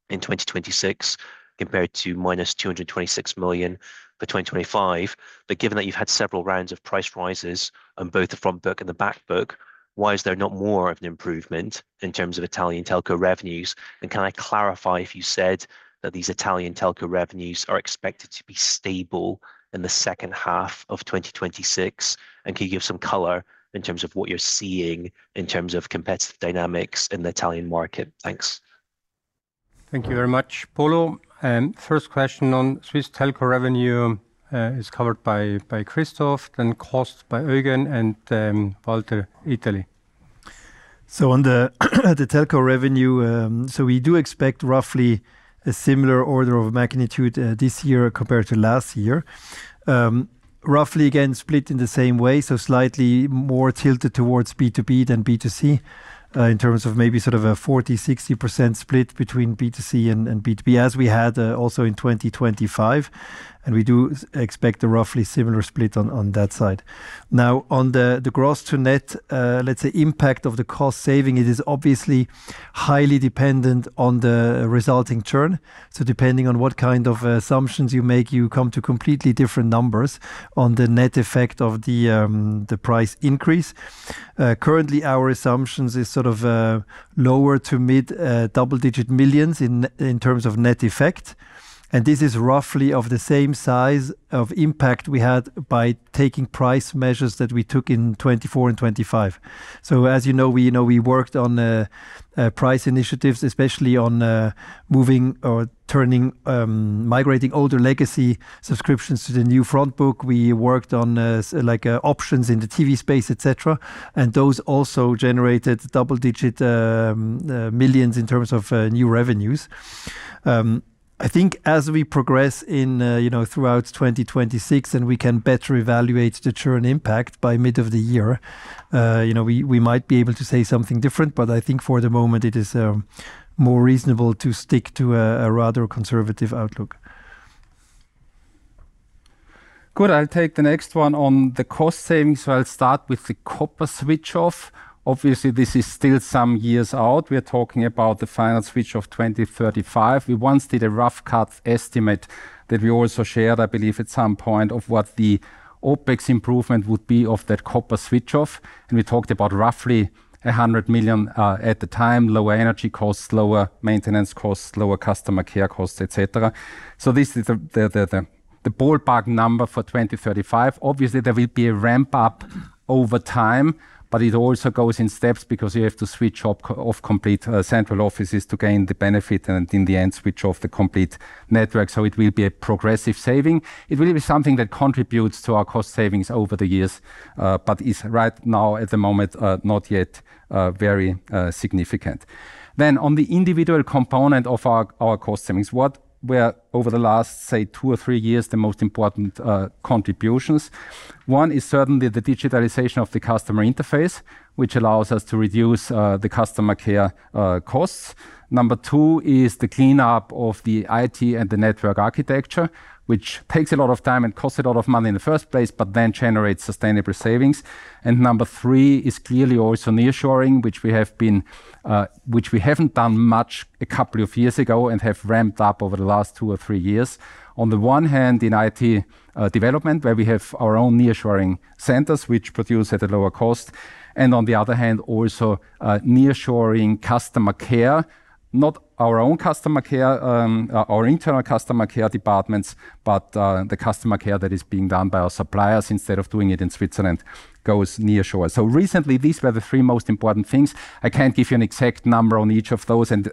in 2026, compared to -226 million for 2025. But given that you've had several rounds of price rises on both the front book and the back book, why is there not more of an improvement in terms of Italian telco revenues? And can I clarify if you said that these Italian telco revenues are expected to be stable in the second half of 2026? Can you give some color in terms of what you're seeing in terms of competitive dynamics in the Italian market? Thanks. Thank you very much, Polo. First question on Swiss telco revenue is covered by Christoph, then cost by Eugen and Walter, Italy. On the telco revenue, so we do expect roughly a similar order of magnitude this year compared to last year. Roughly again, split in the same way, so slightly more tilted towards B2B than B2C, in terms of maybe sort of a 40-60% split between B2C and B2B, as we had also in 2025, and we do expect a roughly similar split on that side. Now, on the gross to net, let's say, impact of the cost saving, it is obviously highly dependent on the resulting churn. So depending on what kind of assumptions you make, you come to completely different numbers on the net effect of the price increase. Currently, our assumptions is sort of lower- to mid-double-digit millions in terms of net effect, and this is roughly of the same size of impact we had by taking price measures that we took in 2024 and 2025. So as you know, we, you know, we worked on price initiatives, especially on moving or turning migrating older legacy subscriptions to the new front book. We worked on like options in the TV space, et cetera, and those also generated double-digit millions in terms of new revenues. I think as we progress in, you know, throughout 2026, and we can better evaluate the churn impact by mid of the year, you know, we might be able to say something different, but I think for the moment, it is more reasonable to stick to a rather conservative outlook. Good. I'll take the next one on the cost savings. So I'll start with the copper switch off. Obviously, this is still some years out. We are talking about the final switch of 2035. We once did a rough cut estimate that we also shared, I believe, at some point, of what the OpEx improvement would be of that copper switch off, and we talked about roughly 100 million at the time. Lower energy costs, lower maintenance costs, lower customer care costs, et cetera. So this is the ballpark number for 2035. Obviously, there will be a ramp up over time, but it also goes in steps because you have to switch off complete central offices to gain the benefit and in the end, switch off the complete network. So it will be a progressive saving. It will be something that contributes to our cost savings over the years, but is right now, at the moment, not yet very significant. Then on the individual component of our cost savings, what were, over the last, say, two or three years, the most important contributions? One is certainly the digitalization of the customer interface, which allows us to reduce the customer care costs. Number two is the cleanup of the IT and the network architecture, which takes a lot of time and costs a lot of money in the first place, but then generates sustainable savings. Number three is clearly also nearshoring, which we haven't done much a couple of years ago and have ramped up over the last two or three years. On the one hand, in IT development, where we have our own nearshoring centers, which produce at a lower cost, and on the other hand, also nearshoring customer care. Not our own customer care, our internal customer care departments, but the customer care that is being done by our suppliers instead of doing it in Switzerland goes nearshore. So recently, these were the three most important things. I can't give you an exact number on each of those, and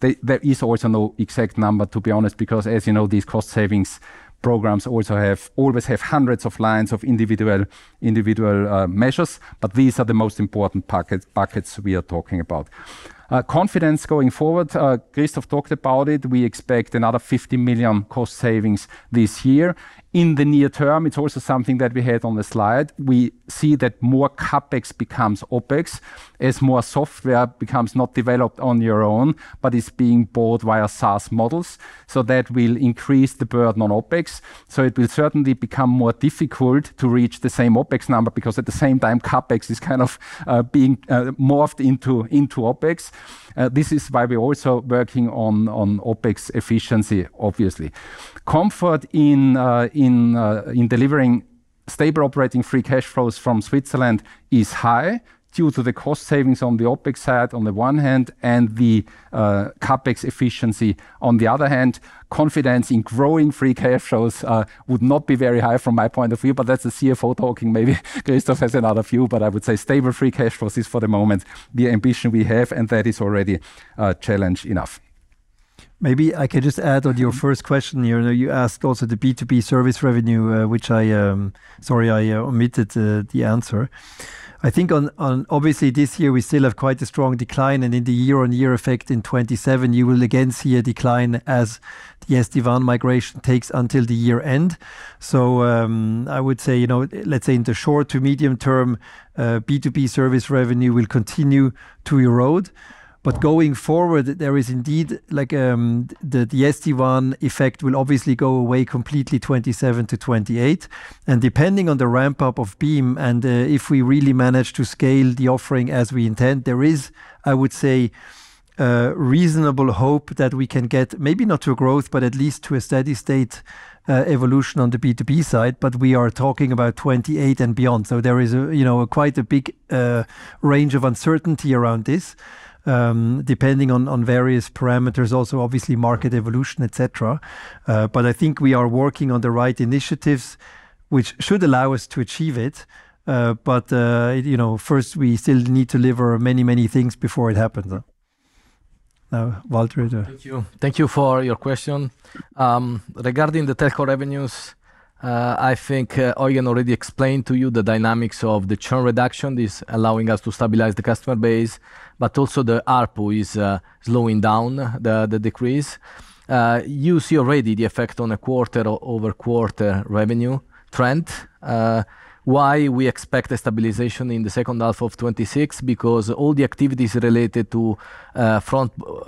there is also no exact number, to be honest, because as you know, these cost savings programs also have always have hundreds of lines of individual measures, but these are the most important buckets we are talking about. Confidence going forward, Christoph talked about it. We expect another 50 million cost savings this year. In the near term, it's also something that we had on the slide. We see that more CapEx becomes OpEx, as more software becomes not developed on your own, but is being bought via SaaS models. So that will increase the burden on OpEx. So it will certainly become more difficult to reach the same OpEx number, because at the same time, CapEx is kind of being morphed into OpEx. This is why we're also working on OpEx efficiency, obviously. Comfort in delivering Free Cash Flows from Switzerland is high due to the cost savings on the OpEx side on the one hand, and the CapEx efficiency on the other hand. Confidence Free Cash Flows would not be very high from my point of view, but that's the CFO talking. Maybe Christoph has another view, but I would Free Cash Flows is, for the moment, the ambition we have, and that is already, challenge enough. Maybe I can just add on your first question here. You asked also the B2B service revenue, which I, sorry, I, omitted, the answer. I think obviously, this year we still have quite a strong decline, and in the year-on-year effect in 2027, you will again see a decline as the SD-WAN migration takes until the year-end. So, I would say, you know, let's say in the short to medium term, B2B service revenue will continue to erode. But going forward, there is indeed like, the, the SD-WAN effect will obviously go away completely 2027 to 2028. Depending on the ramp-up of Beam and, if we really manage to scale the offering as we intend, there is, I would say, reasonable hope that we can get maybe not to a growth, but at least to a steady state, evolution on the B2B side. But we are talking about 2028 and beyond. So there is a, you know, quite a big, range of uncertainty around this, depending on, on various parameters, also, obviously, market evolution, et cetera. But I think we are working on the right initiatives, which should allow us to achieve it. But, you know, first, we still need to deliver many, many things before it happens. Now, Walter. Thank you. Thank you for your question. Regarding the telco revenues, I think Eugen already explained to you the dynamics of the churn reduction is allowing us to stabilize the customer base, but also the ARPU is slowing down the decrease. You see already the effect on a quarter-over-quarter revenue trend. Why we expect a stabilization in the second half of 2026? Because all the activities related to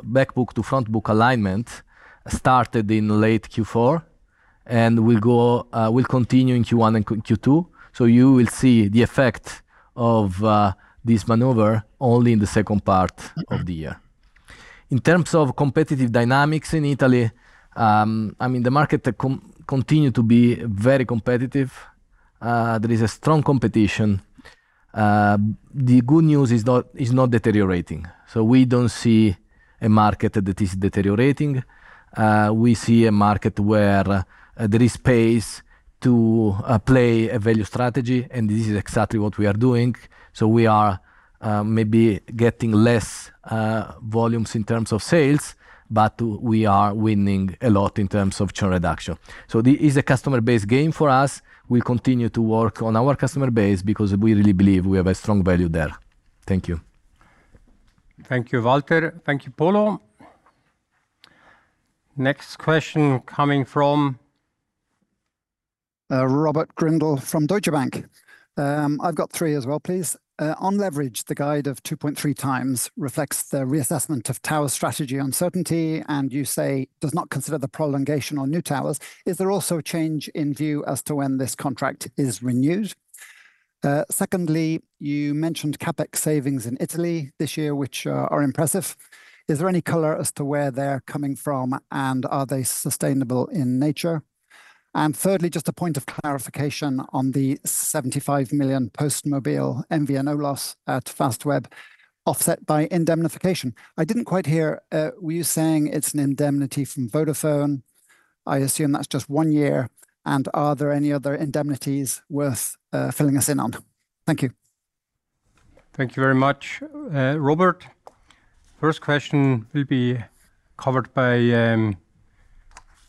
back book to front book alignment started in late Q4 and will continue in Q1 and Q2. So you will see the effect of this maneuver only in the second part of the year. In terms of competitive dynamics in Italy, I mean, the market continues to be very competitive. There is a strong competition. The good news is not, is not deteriorating. So we don't see a market that is deteriorating. We see a market where there is space to play a value strategy, and this is exactly what we are doing. So we are maybe getting less volumes in terms of sales, but we are winning a lot in terms of churn reduction. So this is a customer base game for us. We continue to work on our customer base because we really believe we have a strong value there. Thank you. Thank you, Walter. Thank you, Polo. Next question coming from... Robert Grindle from Deutsche Bank. I've got three as well, please. On leverage, the guide of 2.3x reflects the reassessment of tower strategy uncertainty, and you say, does not consider the prolongation on new towers. Is there also a change in view as to when this contract is renewed? Secondly, you mentioned CapEx savings in Italy this year, which are impressive. Is there any color as to where they're coming from, and are they sustainable in nature? And thirdly, just a point of clarification on the 75 million PosteMobile MVNO loss at Fastweb, offset by indemnification. I didn't quite hear, were you saying it's an indemnity from Vodafone? I assume that's just one year. And are there any other indemnities worth filling us in on? Thank you. Thank you very much, Robert. First question will be covered by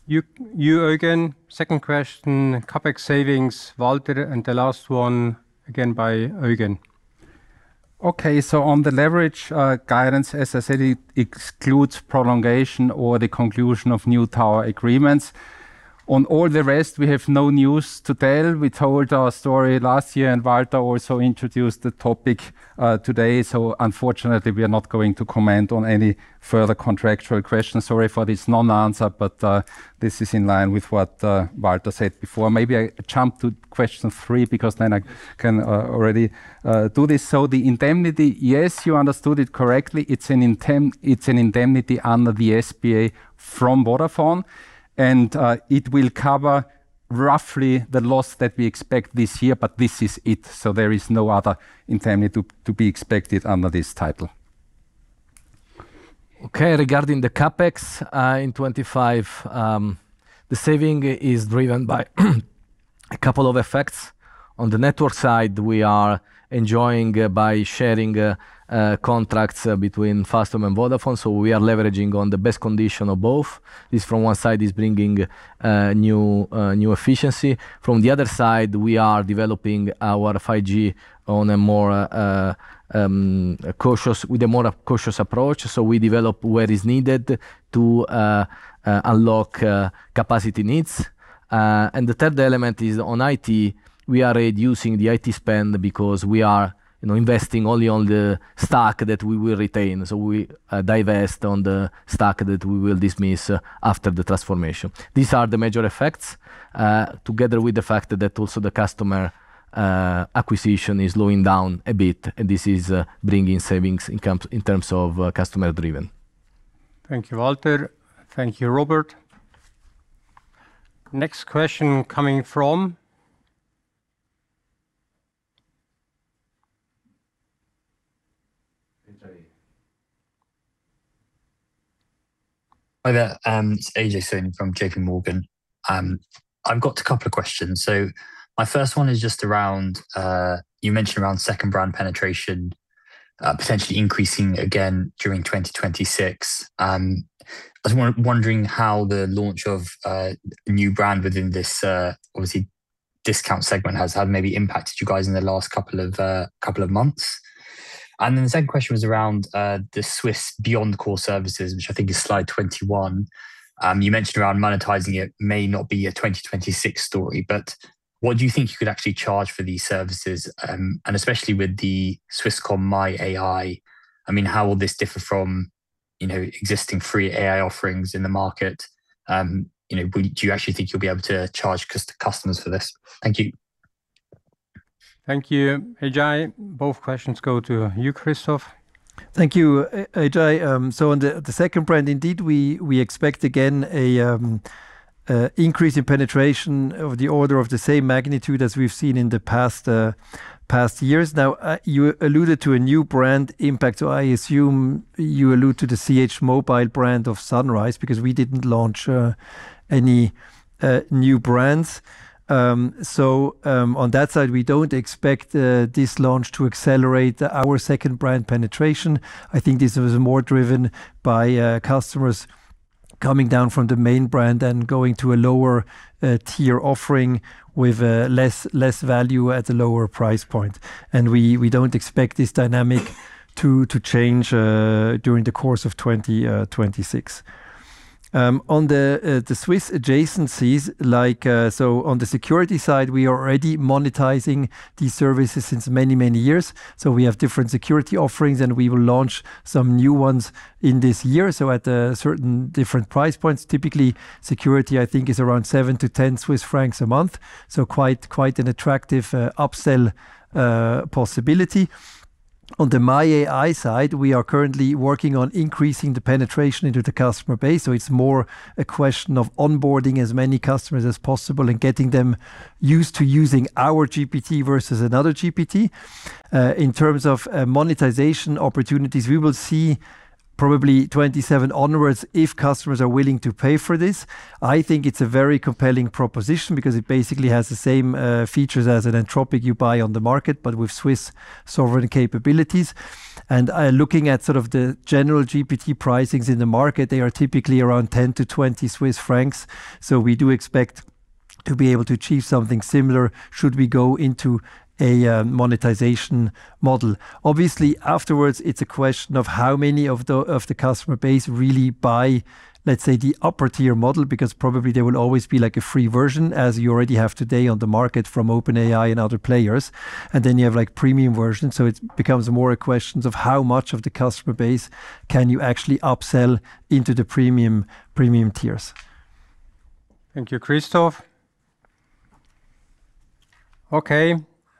you, Eugen. Second question, CapEx savings, Walter, and the last one, again, by Eugen. Okay, so on the leverage guidance, as I said, it excludes prolongation or the conclusion of new tower agreements. On all the rest, we have no news to tell. We told our story last year, and Walter also introduced the topic today. So unfortunately, we are not going to comment on any further contractual questions. Sorry for this non-answer, but this is in line with what Walter said before. Maybe I jump to question three, because then I can already do this. So the indemnity, yes, you understood it correctly. It's an indemnity under the SPA from Vodafone, and it will cover roughly the loss that we expect this year, but this is it. So there is no other indemnity to be expected under this title. Okay. Regarding the CapEx in 2025, the saving is driven by a couple of effects. On the network side, we are enjoying by sharing contracts between Fastweb and Vodafone, so we are leveraging on the best condition of both. This, from one side, is bringing new efficiency. From the other side, we are developing our 5G on a more cautious, with a more cautious approach. So we develop what is needed to unlock capacity needs. And the third element is on IT. We are reducing the IT spend because we are, you know, investing only on the stock that we will retain. So we divest on the stock that we will dismiss after the transformation. These are the major effects, together with the fact that also the customer acquisition is slowing down a bit, and this is bringing savings in terms of customer-driven.... Thank you, Walter. Thank you, Robert. Next question coming from? Hi there, it's A.J Oden from JPMorgan. I've got a couple of questions. So my first one is just around, you mentioned around second brand penetration, potentially increasing again during 2026. I was wondering how the launch of, new brand within this, obviously discount segment has maybe impacted you guys in the last couple of months. And then the second question was around, the Swiss beyond core services, which I think is slide 21. You mentioned around monetizing it may not be a 2026 story, but what do you think you could actually charge for these services? And especially with the Swisscom My AI, I mean, how will this differ from, you know, existing free AI offerings in the market? You know, would you actually think you'll be able to charge customers for this? Thank you. Thank you, A.J. Both questions go to you, Christoph. Thank you, A.J. So on the second brand, indeed, we expect again an increase in penetration of the order of the same magnitude as we've seen in the past years. Now, you alluded to a new brand impact, so I assume you allude to the CH Mobile brand of Sunrise, because we didn't launch any new brands. So, on that side, we don't expect this launch to accelerate our second brand penetration. I think this was more driven by customers coming down from the main brand and going to a lower tier offering with less value at a lower price point. And we don't expect this dynamic to change during the course of 2026. On the Swiss adjacencies, like, so on the security side, we are already monetizing these services since many, many years. So we have different security offerings, and we will launch some new ones in this year. So at a certain different price points, typically, security, I think, is around 7-10 Swiss francs a month. So quite, quite an attractive upsell possibility. On the My AI side, we are currently working on increasing the penetration into the customer base, so it's more a question of onboarding as many customers as possible and getting them used to using our GPT versus another GPT. In terms of monetization opportunities, we will see probably 2027 onwards if customers are willing to pay for this. I think it's a very compelling proposition because it basically has the same features as an enterprise you buy on the market, but with Swiss sovereign capabilities. And looking at sort of the general GPT pricings in the market, they are typically around 10 -20 Swiss francs. So we do expect to be able to achieve something similar should we go into a monetization model. Obviously, afterwards, it's a question of how many of the customer base really buy, let's say, the upper-tier model, because probably there will always be like a free version, as you already have today on the market from OpenAI and other players. And then you have, like, premium version. So it becomes more a question of how much of the customer base can you actually upsell into the premium tiers. Thank you, Christoph. Okay,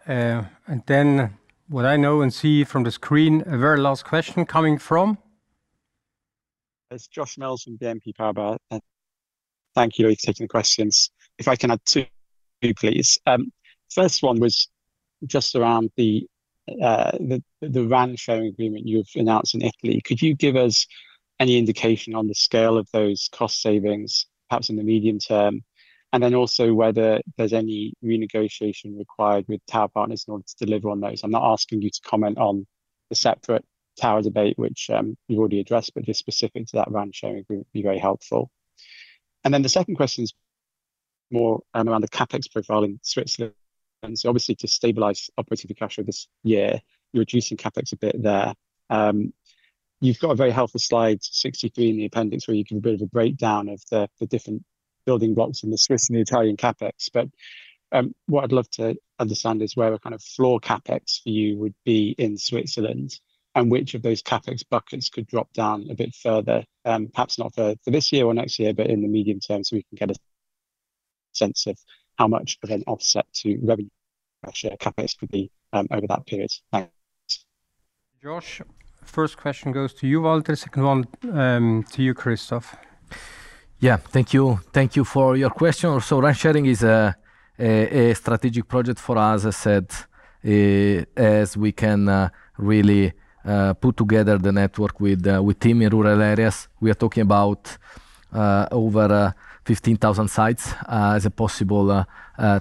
and then what I know and see from the screen, a very last question coming from? It's Josh Mills from BNP Paribas, and thank you for taking the questions. If I can add two, please. First one was just around the RAN sharing agreement you've announced in Italy. Could you give us any indication on the scale of those cost savings, perhaps in the medium term? And then also whether there's any renegotiation required with tower partners in order to deliver on those. I'm not asking you to comment on the separate tower debate, which you've already addressed, but just specific to that RAN sharing would be very helpful. And then the second question is more around the CapEx profile in Switzerland. And so obviously, to stabilize operating cash flow this year, you're reducing CapEx a bit there. You've got a very helpful slide 63 in the appendix, where you can build a breakdown of the different building blocks in the Swiss and the Italian CapEx. But, what I'd love to understand is where the kind of floor CapEx for you would be in Switzerland, and which of those CapEx buckets could drop down a bit further? Perhaps not for this year or next year, but in the medium term, so we can get a sense of how much of an offset to revenue, actually, CapEx could be over that period. Thanks. Josh, first question goes to you, Walter. Second one, to you, Christoph. Yeah. Thank you. Thank you for your question. So RAN sharing is a strategic project for us. I said, as we can really put together the network with TIM in rural areas. We are talking about over 15,000 sites as a possible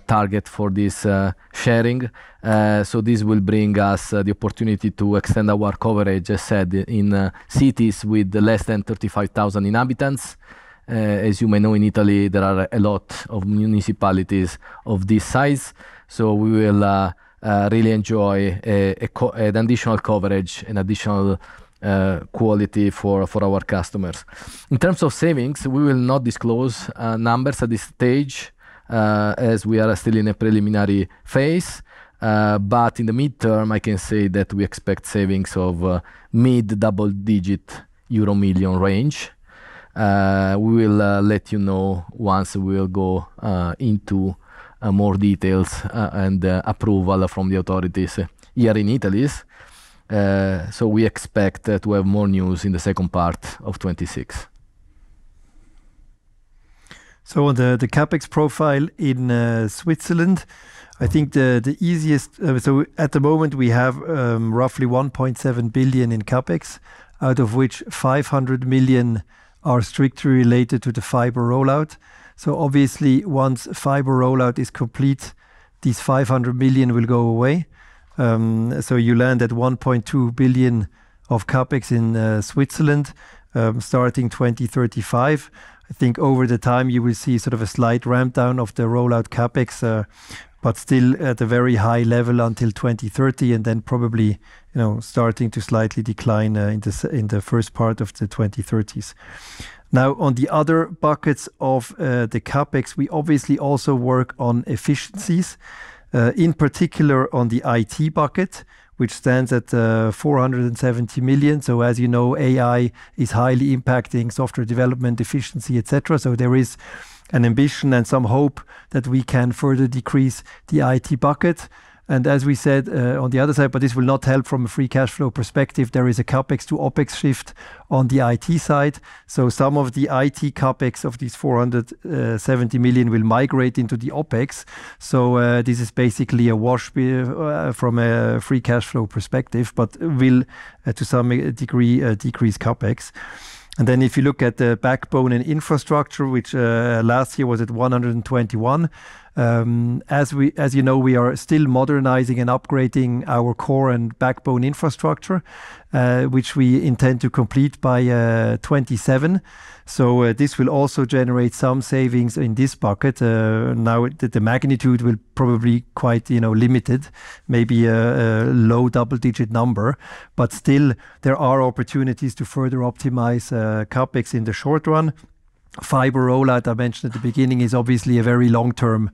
target for this sharing. So this will bring us the opportunity to extend our coverage, as said, in cities with less than 35,000 inhabitants. As you may know, in Italy, there are a lot of municipalities of this size. So we will really enjoy an additional coverage and additional quality for our customers. In terms of savings, we will not disclose numbers at this stage, as we are still in a preliminary phase. In the midterm, I can say that we expect savings of mid-double-digit CHF million range. ... we will let you know once we'll go into more details and approval from the authorities here in Italy. So we expect to have more news in the second part of 2026. So on the CapEx profile in Switzerland, I think, so at the moment, we have roughly 1.7 billion in CapEx, out of which 500 million are strictly related to the fiber rollout. So obviously, once fiber rollout is complete, these 500 million will go away. So you land at 1.2 billion of CapEx in Switzerland, starting 2035. I think over the time you will see sort of a slight ramp down of the rollout CapEx, but still at a very high level until 2030, and then probably, you know, starting to slightly decline in the first part of the 2030s. Now, on the other buckets of the CapEx, we obviously also work on efficiencies, in particular on the IT bucket, which stands at 470 million. So as you know, AI is highly impacting software development, efficiency, et cetera. So there is an ambition and some hope that we can further decrease the IT bucket. And as we said, on the other side, but this will not help Free Cash Flow perspective. there is a CapEx to OpEx shift on the IT side. So some of the IT CapEx of these 470 million will migrate into the OpEx. So, this is basically a wash Free Cash Flow perspective, but will, to some degree, decrease CapEx. Then if you look at the backbone and infrastructure, which last year was at 121, as you know, we are still modernizing and upgrading our core and backbone infrastructure, which we intend to complete by 2027. So, this will also generate some savings in this bucket. Now, the magnitude will probably quite, you know, limited, maybe a low double-digit number. But still, there are opportunities to further optimize CapEx in the short run. Fiber rollout, I mentioned at the beginning, is obviously a very long-term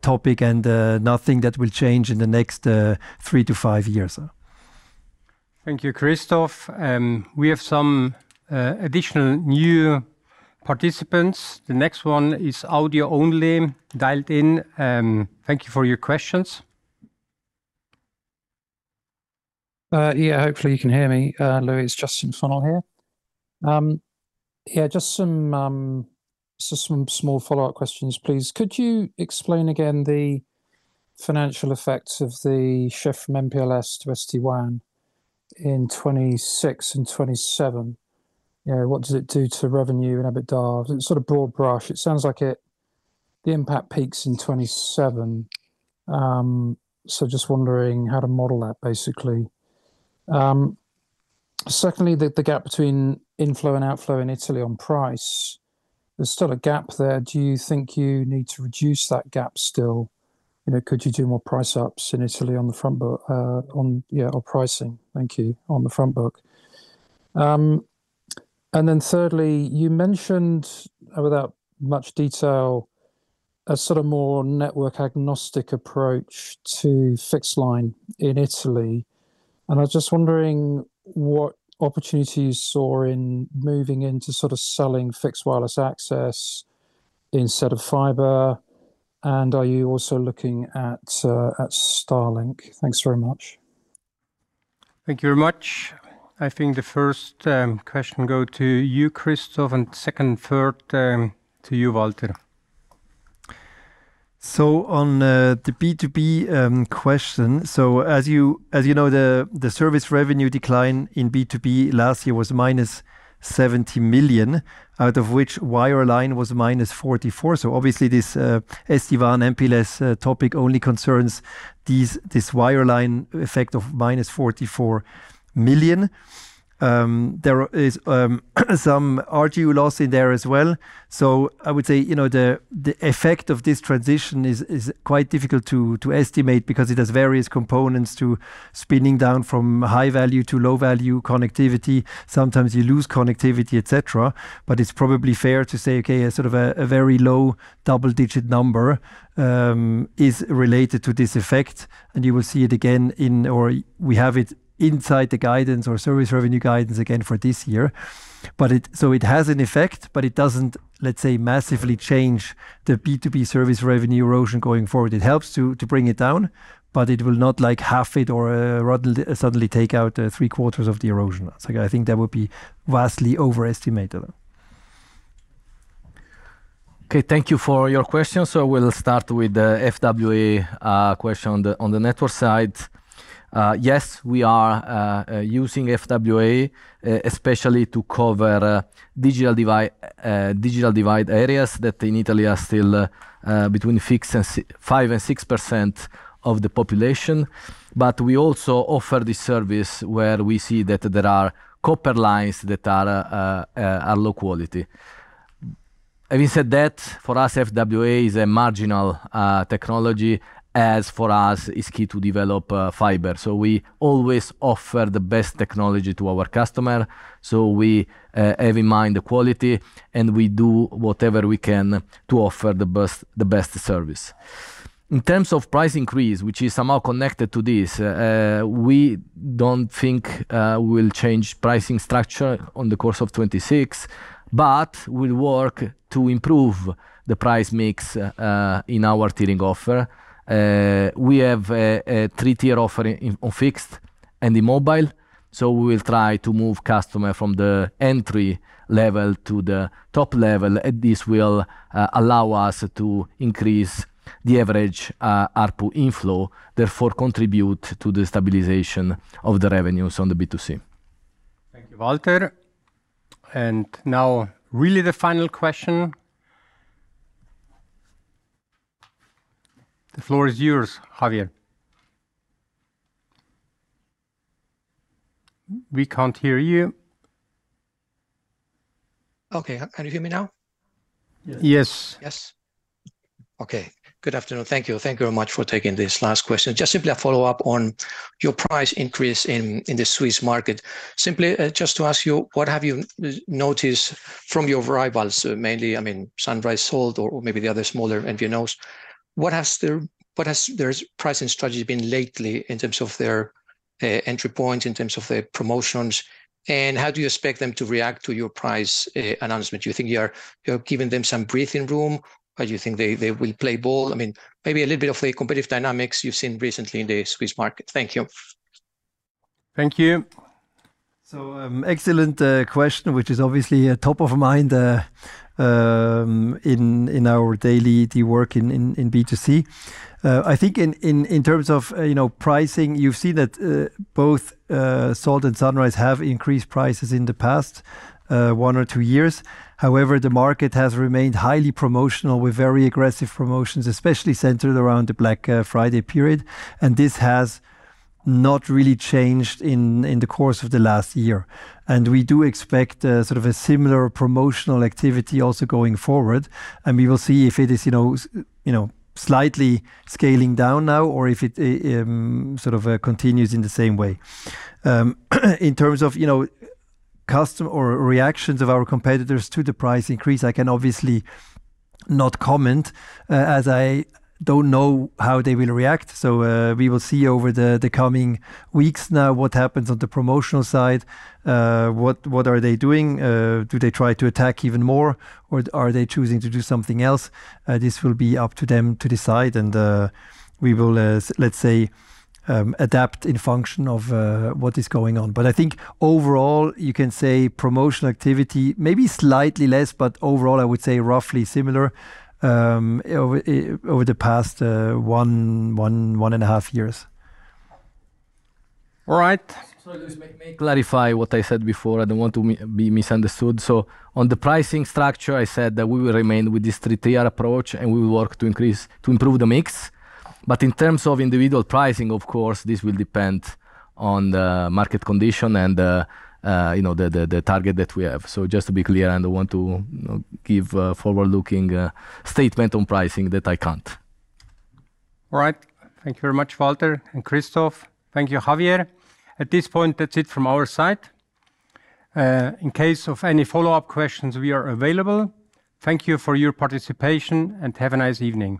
topic and nothing that will change in the next three -five years. Thank you, Christoph. We have some additional new participants. The next one is audio only dialed in. Thank you for your questions. Yeah, hopefully you can hear me. Louis, Justin Funnell here. Yeah, just some small follow-up questions, please. Could you explain again the financial effects of the shift from MPLS to SD-WAN in 2026 and 2027? You know, what does it do to revenue and EBITDA? And sort of broad brush, it sounds like the impact peaks in 2027. So just wondering how to model that, basically. Secondly, the gap between inflow and outflow in Italy on price, there's still a gap there. Do you think you need to reduce that gap still? You know, could you do more price ups in Italy on the front book, on pricing? Thank you. On the front book. And then thirdly, you mentioned without much detail a sort of more network agnostic approach to fixed line in Italy. I was just wondering what opportunities you saw in moving into sort of selling fixed wireless access instead of fiber, and are you also looking at Starlink? Thanks very much. Thank you very much. I think the first question go to you, Christoph, and second and third to you, Walter. So, on the B2B question, as you know, the service revenue decline in B2B last year was -70 million, out of which wireline was -44 million. So obviously, this SD-WAN MPLS topic only concerns this wireline effect of -44 million. There is some RGU loss in there as well. So I would say, you know, the effect of this transition is quite difficult to estimate because it has various components to spinning down from high value to low value connectivity. Sometimes you lose connectivity, et cetera. But it's probably fair to say, okay, a sort of a very low double-digit number is related to this effect, and you will see it again in or we have it inside the guidance or service revenue guidance again for this year. But so it has an effect, but it doesn't, let's say, massively change the B2B service revenue erosion going forward. It helps to bring it down, but it will not like half it or suddenly take out three-quarters of the erosion. So I think that would be vastly overestimated. Okay, thank you for your question. So we'll start with the FWA question on the network side. Yes, we are using FWA especially to cover digital divide areas that in Italy are still between 5%-6% of the population. But we also offer this service where we see that there are copper lines that are low quality. Having said that, for us, FWA is a marginal technology as for us, it's key to develop fiber. So we always offer the best technology to our customer. So we have in mind the quality, and we do whatever we can to offer the best service. In terms of price increase, which is somehow connected to this, we don't think we'll change pricing structure in the course of 2026, but we'll work to improve the price mix in our tiering offer. We have a three-tier offering in on fixed and in mobile, so we will try to move customer from the entry level to the top level, and this will allow us to increase the average ARPU inflow, therefore contribute to the stabilization of the revenues on the B2C. Thank you, Walter. Now, really the final question. The floor is yours, Javier. We can't hear you. Okay, can you hear me now? Yes. Yes? Okay. Good afternoon. Thank you. Thank you very much for taking this last question. Just simply a follow-up on your price increase in the Swiss market. Simply, just to ask you, what have you noticed from your rivals, mainly, I mean, Sunrise, Salt, or maybe the other smaller MVNOs. What has their pricing strategy been lately in terms of their entry point, in terms of their promotions, and how do you expect them to react to your price announcement? Do you think you have given them some breathing room, or you think they will play ball? I mean, maybe a little bit of the competitive dynamics you've seen recently in the Swiss market. Thank you. Thank you. So, excellent question, which is obviously a top of mind in our daily work in B2C. I think in terms of, you know, pricing, you've seen that both Salt and Sunrise have increased prices in the past one or two years. However, the market has remained highly promotional with very aggressive promotions, especially centered around the Black Friday period, and this has not really changed in the course of the last year. And we do expect sort of a similar promotional activity also going forward, and we will see if it is, you know, you know, slightly scaling down now or if it sort of continues in the same way. In terms of, you know, customer or reactions of our competitors to the price increase, I can obviously not comment, as I don't know how they will react. So, we will see over the coming weeks now, what happens on the promotional side, what are they doing? Do they try to attack even more, or are they choosing to do something else? This will be up to them to decide, and, we will, as let's say, adapt in function of, what is going on. But I think overall, you can say promotional activity, maybe slightly less, but overall, I would say roughly similar, over the past one and a half years. All right. Sorry, let me, let me clarify what I said before. I don't want to be misunderstood. So on the pricing structure, I said that we will remain with this three-tier approach, and we will work to increase to improve the mix. But in terms of individual pricing, of course, this will depend on the market condition and the, you know, the target that we have. So just to be clear, I don't want to give a forward-looking statement on pricing that I can't. All right. Thank you very much, Walter and Christoph. Thank you, Javier. At this point, that's it from our side. In case of any follow-up questions, we are available. Thank you for your participation, and have a nice evening.